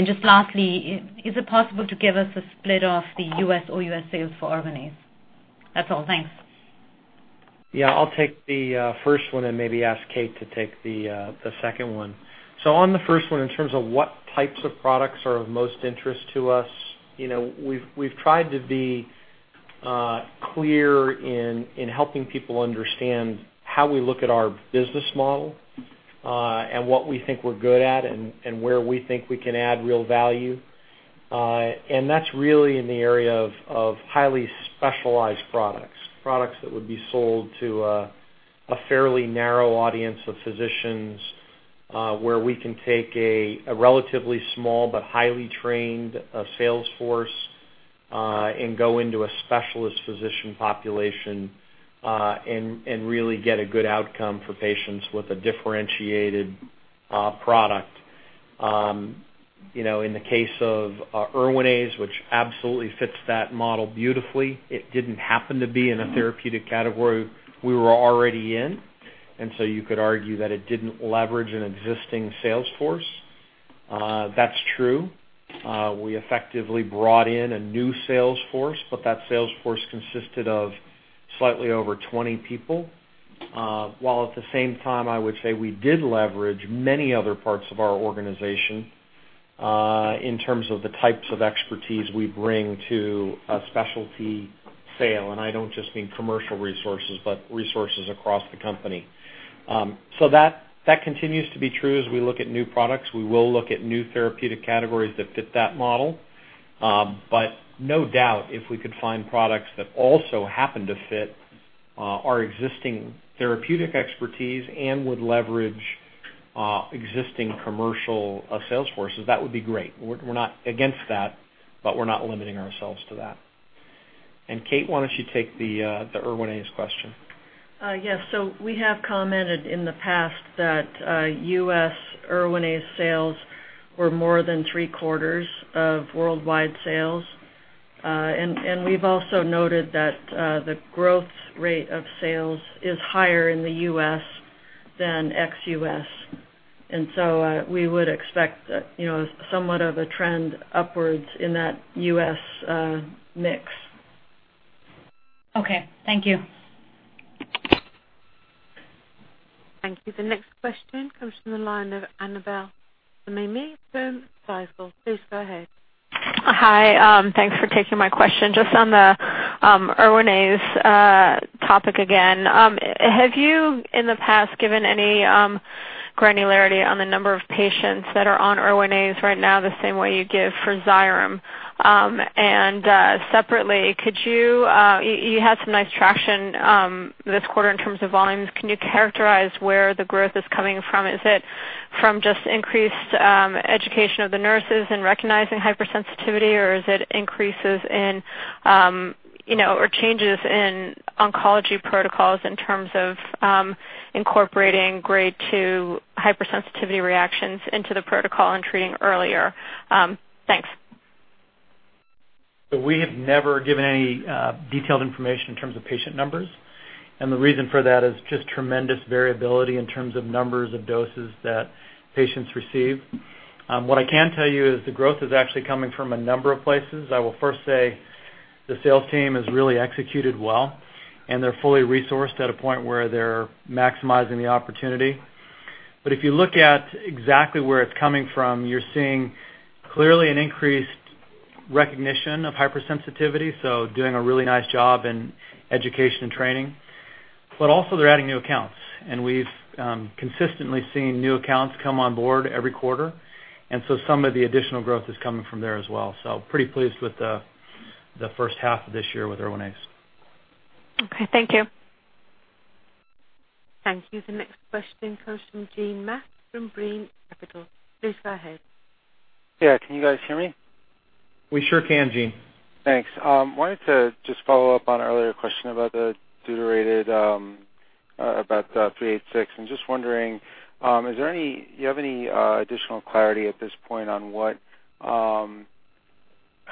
S12: Just lastly, is it possible to give us a split of the U.S. or ex-U.S. sales for Erwinaze? That's all. Thanks.
S4: Yeah, I'll take the first one and maybe ask Kate to take the second one. On the first one, in terms of what types of products are of most interest to us, you know, we've tried to be clear in helping people understand how we look at our business model, and what we think we're good at and where we think we can add real value. That's really in the area of highly specialized products that would be sold to a fairly narrow audience of physicians, where we can take a relatively small but highly trained sales force, and go into a specialist physician population, and really get a good outcome for patients with a differentiated product. You know, in the case of Erwinaze, which absolutely fits that model beautifully, it didn't happen to be in a therapeutic category we were already in, and so you could argue that it didn't leverage an existing sales force. That's true. We effectively brought in a new sales force, but that sales force consisted of slightly over 20 people. While at the same time, I would say we did leverage many other parts of our organization, in terms of the types of expertise we bring to a specialty sale, and I don't just mean commercial resources, but resources across the company. That continues to be true as we look at new products. We will look at new therapeutic categories that fit that model. No doubt, if we could find products that also happen to fit our existing therapeutic expertise and would leverage existing commercial sales forces, that would be great. We're not against that, but we're not limiting ourselves to that. Kate, why don't you take the Erwinaze question?
S2: We have commented in the past that U.S. Erwinaze sales were more than three-quarters of worldwide sales. We've also noted that the growth rate of sales is higher in the U.S. than ex-U.S. We would expect, you know, somewhat of a trend upwards in that U.S. mix.
S12: Okay, thank you.
S1: Thank you. The next question comes from the line of Annabel Samimy from Stifel. Please go ahead.
S13: Hi. Thanks for taking my question. Just on the Erwinaze topic again. Have you in the past given any granularity on the number of patients that are on Erwinaze right now the same way you give for Xyrem? Separately, could you you had some nice traction this quarter in terms of volumes. Can you characterize where the growth is coming from? Is it from just increased education of the nurses in recognizing hypersensitivity, or is it increases in you know, or changes in oncology protocols in terms of incorporating grade two hypersensitivity reactions into the protocol and treating earlier? Thanks.
S4: We have never given any detailed information in terms of patient numbers, and the reason for that is just tremendous variability in terms of numbers of doses that patients receive. What I can tell you is the growth is actually coming from a number of places. I will first say the sales team has really executed well, and they're fully resourced at a point where they're maximizing the opportunity. If you look at exactly where it's coming from, you're seeing clearly an increased recognition of hypersensitivity, so doing a really nice job in education and training. Also they're adding new accounts, and we've consistently seen new accounts come on board every quarter. Some of the additional growth is coming from there as well. Pretty pleased with the first half of this year with Erwinaze.
S13: Okay, thank you.
S1: Thank you. The next question comes from Gene Mack from Brean Capital. Please go ahead.
S14: Yeah. Can you guys hear me?
S4: We sure can, Gene.
S14: Thanks. Wanted to just follow up on an earlier question about the deuterated three eight six. I'm just wondering, do you have any additional clarity at this point on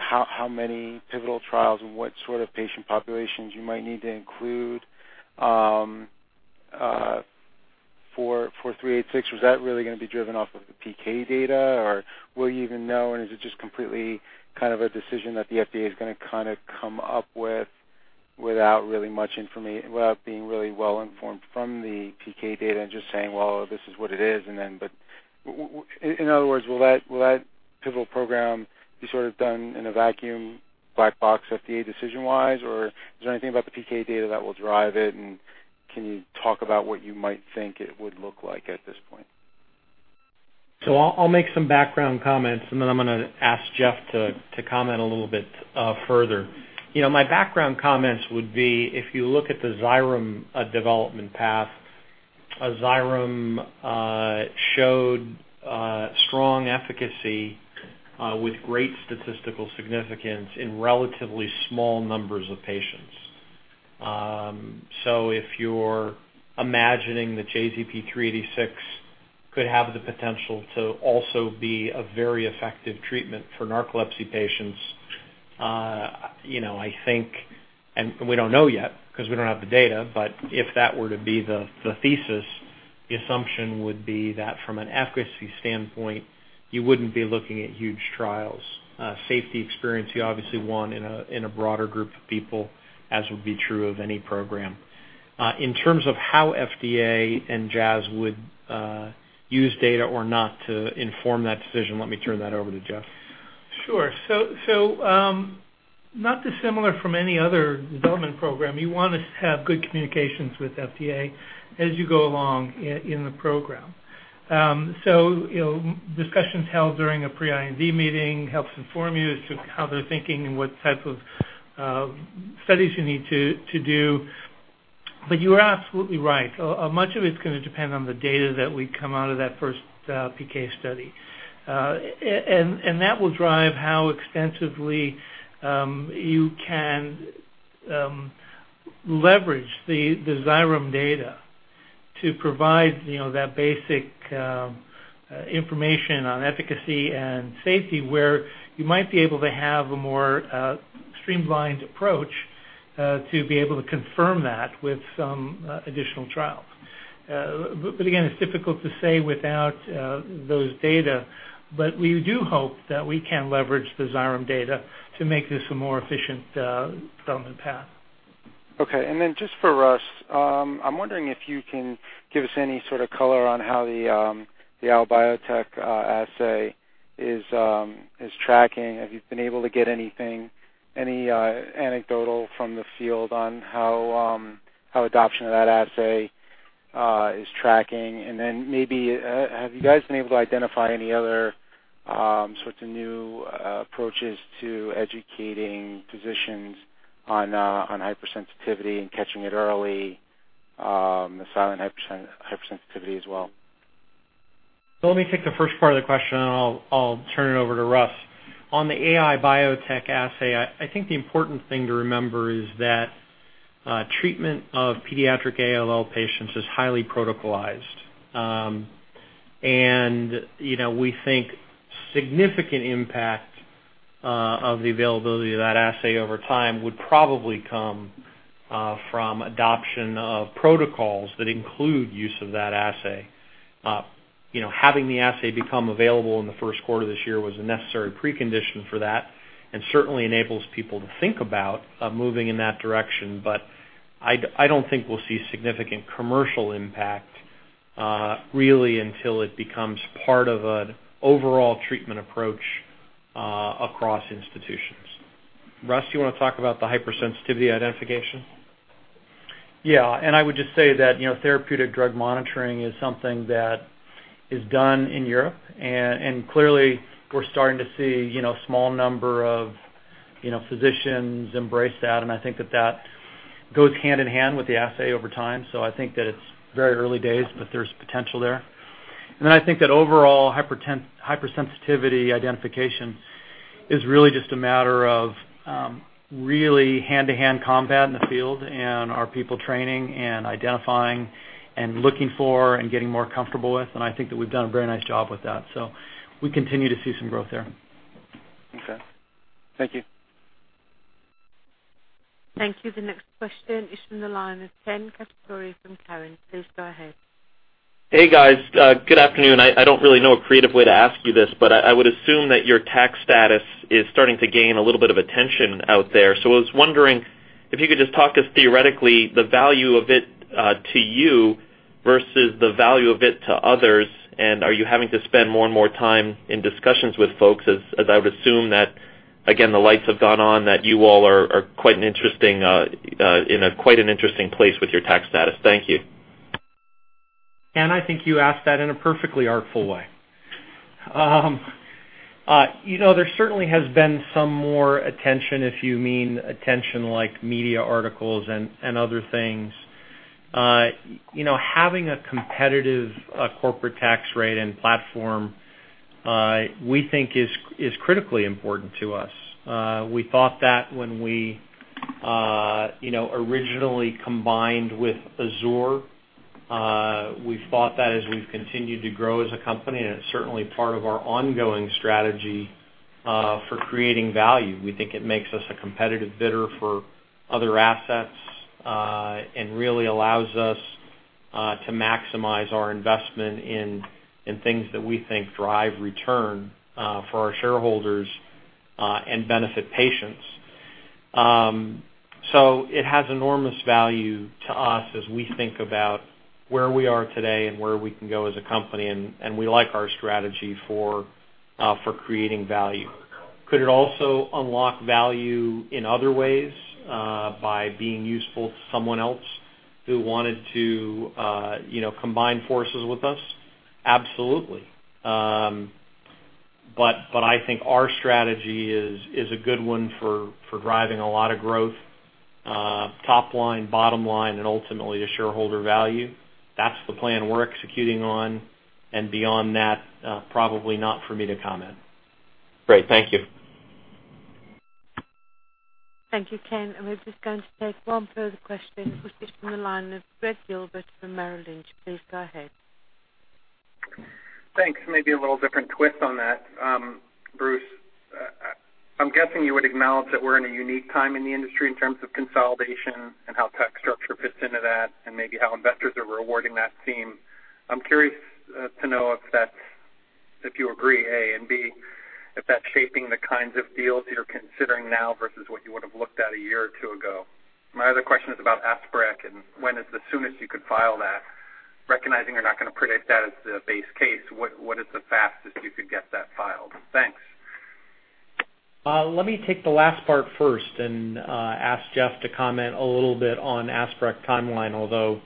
S14: how many pivotal trials and what sort of patient populations you might need to include for three eight six? Was that really gonna be driven off of the PK data, or will you even know and is it just completely kind of a decision that the FDA is gonna kind of come up with without being really well informed from the PK data and just saying, "Well, this is what it is. In other words, will that pivotal program be sort of done in a vacuum, black box FDA decision-wise, or is there anything about the PK data that will drive it, and can you talk about what you might think it would look like at this point?
S4: I'll make some background comments, and then I'm gonna ask Jeff to comment a little bit further. You know, my background comments would be, if you look at the Xyrem development path, Xyrem showed strong efficacy with great statistical significance in relatively small numbers of patients. If you're imagining that JZP-386 could have the potential to also be a very effective treatment for narcolepsy patients, you know, I think, and we don't know yet because we don't have the data, but if that were to be the thesis, the assumption would be that from an efficacy standpoint, you wouldn't be looking at huge trials. Safety experience, you obviously want in a broader group of people, as would be true of any program. In terms of how FDA and Jazz would use data or not to inform that decision, let me turn that over to Jeff.
S11: Sure. Not dissimilar from any other development program, you wanna have good communications with FDA as you go along in the program. You know, discussions held during a pre-IND meeting helps inform you as to how they're thinking and what type of studies you need to do. You are absolutely right. Much of it's gonna depend on the data that we come out of that first PK study. And that will drive how extensively you can leverage the Xyrem data to provide, you know, that basic information on efficacy and safety, where you might be able to have a more streamlined approach to be able to confirm that with some additional trials. Again, it's difficult to say without those data. We do hope that we can leverage the Xyrem data to make this a more efficient development path.
S14: Okay. Just for Russ, I'm wondering if you can give us any sort of color on how the AIBiotech assay is tracking. Have you been able to get anything anecdotal from the field on how adoption of that assay is tracking? Maybe have you guys been able to identify any other sorts of new approaches to educating physicians on hypersensitivity and catching it early, the silent hypersensitivity as well?
S4: Let me take the first part of the question, and I'll turn it over to Russ. On the AIBiotech assay, I think the important thing to remember is that treatment of pediatric ALL patients is highly protocolized. You know, we think significant impact of the availability of that assay over time would probably come from adoption of protocols that include use of that assay. You know, having the assay become available in the first quarter of this year was a necessary precondition for that, and certainly enables people to think about moving in that direction. I don't think we'll see significant commercial impact really until it becomes part of an overall treatment approach across institutions. Russ, you wanna talk about the hypersensitivity identification?
S7: Yeah. I would just say that, you know, therapeutic drug monitoring is something that is done in Europe. Clearly, we're starting to see, you know, small number of, you know, physicians embrace that. I think that goes hand in hand with the assay over time. I think that it's very early days, but there's potential there. I think that overall hypersensitivity identification is really just a matter of really hand-to-hand combat in the field and our people training and identifying and looking for and getting more comfortable with, and I think that we've done a very nice job with that. We continue to see some growth there.
S14: Okay. Thank you.
S1: Thank you. The next question is from the line of Ken
S4: Ken, I think you asked that in a perfectly artful way. You know, there certainly has been some more attention, if you mean attention like media articles and other things. You know, having a competitive corporate tax rate and platform, we think is critically important to us. We thought that when we originally combined with Azur. We've thought that as we've continued to grow as a company, and it's certainly part of our ongoing strategy for creating value. We think it makes us a competitive bidder for other assets and really allows us to maximize our investment in things that we think drive return for our shareholders and benefit patients. It has enormous value to us as we think about where we are today and where we can go as a company, and we like our strategy for creating value. Could it also unlock value in other ways, by being useful to someone else who wanted to, you know, combine forces with us? Absolutely. I think our strategy is a good one for driving a lot of growth, top line, bottom line and ultimately to shareholder value. That's the plan we're executing on. Beyond that, probably not for me to comment.
S1: Great. Thank you. Thank you, Ken. We're just going to take one further question, which is from the line of Gregory Gilbert from Merrill Lynch. Please go ahead.
S15: Thanks. Maybe a little different twist on that. Bruce, I'm guessing you would acknowledge that we're in a unique time in the industry in terms of consolidation and how tax structure fits into that and maybe how investors are rewarding that theme. I'm curious to know if you agree, A. B, if that's shaping the kinds of deals you're considering now versus what you would have looked at a year or two ago. My other question is about Asparec and when is the soonest you could file that. Recognizing you're not gonna predict that as the base case, what is the fastest you could get that filed. Thanks.
S4: Let me take the last part first and ask Jeff to comment a little bit on Asparec timeline, although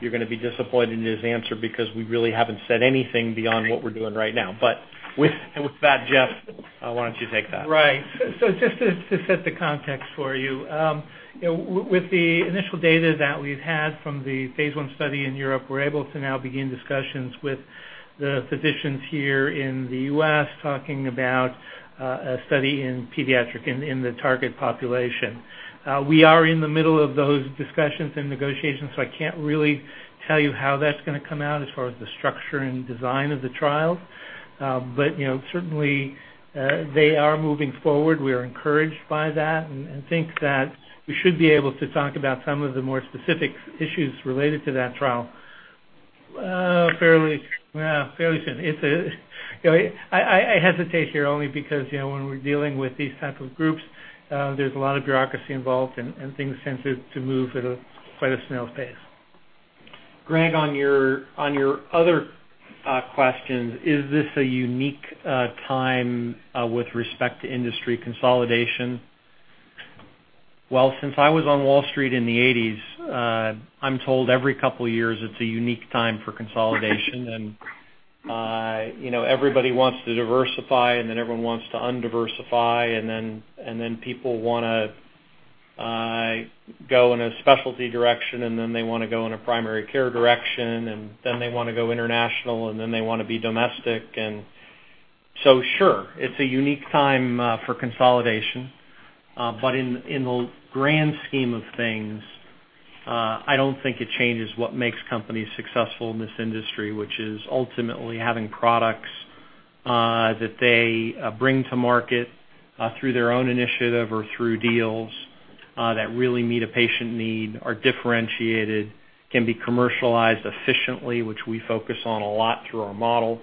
S4: you're gonna be disappointed in his answer because we really haven't said anything beyond what we're doing right now. With that, Jeff, why don't you take that?
S11: Right. Just to set the context for you know, with the initial data that we've had from the phase one study in Europe, we're able to now begin discussions with the physicians here in the U.S., talking about a study in pediatric in the target population. We are in the middle of those discussions and negotiations, so I can't really tell you how that's gonna come out as far as the structure and design of the trial. You know, certainly, they are moving forward. We are encouraged by that and think that we should be able to talk about some of the more specific issues related to that trial, fairly soon. It's, you know, I hesitate here only because, you know, when we're dealing with these type of groups, there's a lot of bureaucracy involved and things tend to move at quite a snail's pace.
S4: Greg, on your other questions, is this a unique time with respect to industry consolidation? Well, since I was on Wall Street in the eighties, I'm told every couple of years it's a unique time for consolidation. You know, everybody wants to diversify, and then everyone wants to undiversify, and then people wanna go in a specialty direction, and then they wanna go in a primary care direction, and then they wanna go international, and then they wanna be domestic. Sure, it's a unique time for consolidation. In the grand scheme of things, I don't think it changes what makes companies successful in this industry, which is ultimately having products that they bring to market through their own initiative or through deals that really meet a patient need, are differentiated, can be commercialized efficiently, which we focus on a lot through our model.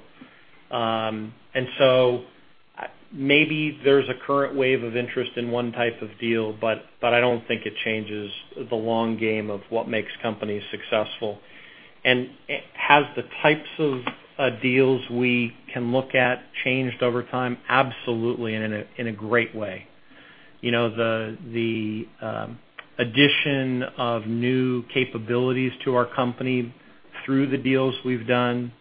S4: Maybe there's a current wave of interest in one type of deal, but I don't think it changes the long game of what makes companies successful. Has the types of deals we can look at changed over time? Absolutely, in a great way. You know, the addition of new capabilities to our company through the deals we've done,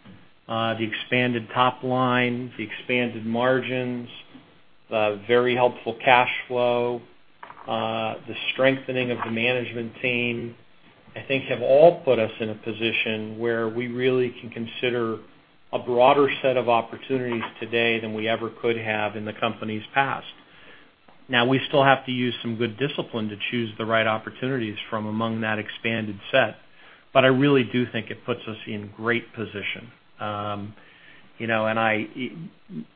S4: the expanded top line, the expanded margins, the very helpful cash flow, the strengthening of the management team, I think have all put us in a position where we really can consider a broader set of opportunities today than we ever could have in the company's past. Now, we still have to use some good discipline to choose the right opportunities from among that expanded set, but I really do think it puts us in great position. You know, I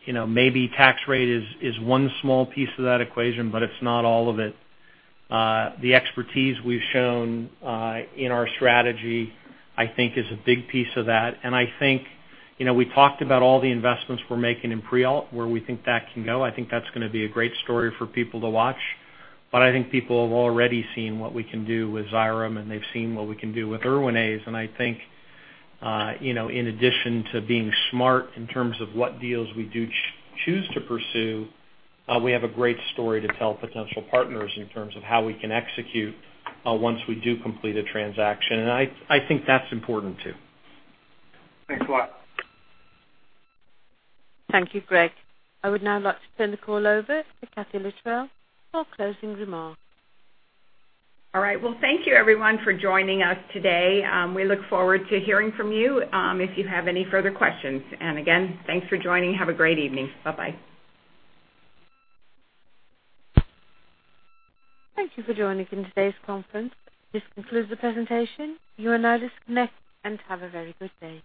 S4: you know, maybe tax rate is one small piece of that equation, but it's not all of it. The expertise we've shown in our strategy, I think is a big piece of that. I think, you know, we talked about all the investments we're making in pre-op, where we think that can go. I think that's gonna be a great story for people to watch. I think people have already seen what we can do with Xyrem, and they've seen what we can do with Erwinaze. I think, you know, in addition to being smart in terms of what deals we do choose to pursue, we have a great story to tell potential partners in terms of how we can execute, once we do complete a transaction. I think that's important too.
S15: Thanks a lot.
S1: Thank you, Greg. I would now like to turn the call over to Kathee Littrell for closing remarks.
S3: All right. Well, thank you everyone for joining us today. We look forward to hearing from you, if you have any further questions. Again, thanks for joining. Have a great evening. Bye-bye.
S1: Thank you for joining in today's conference. This concludes the presentation. You are now disconnected, and have a very good day.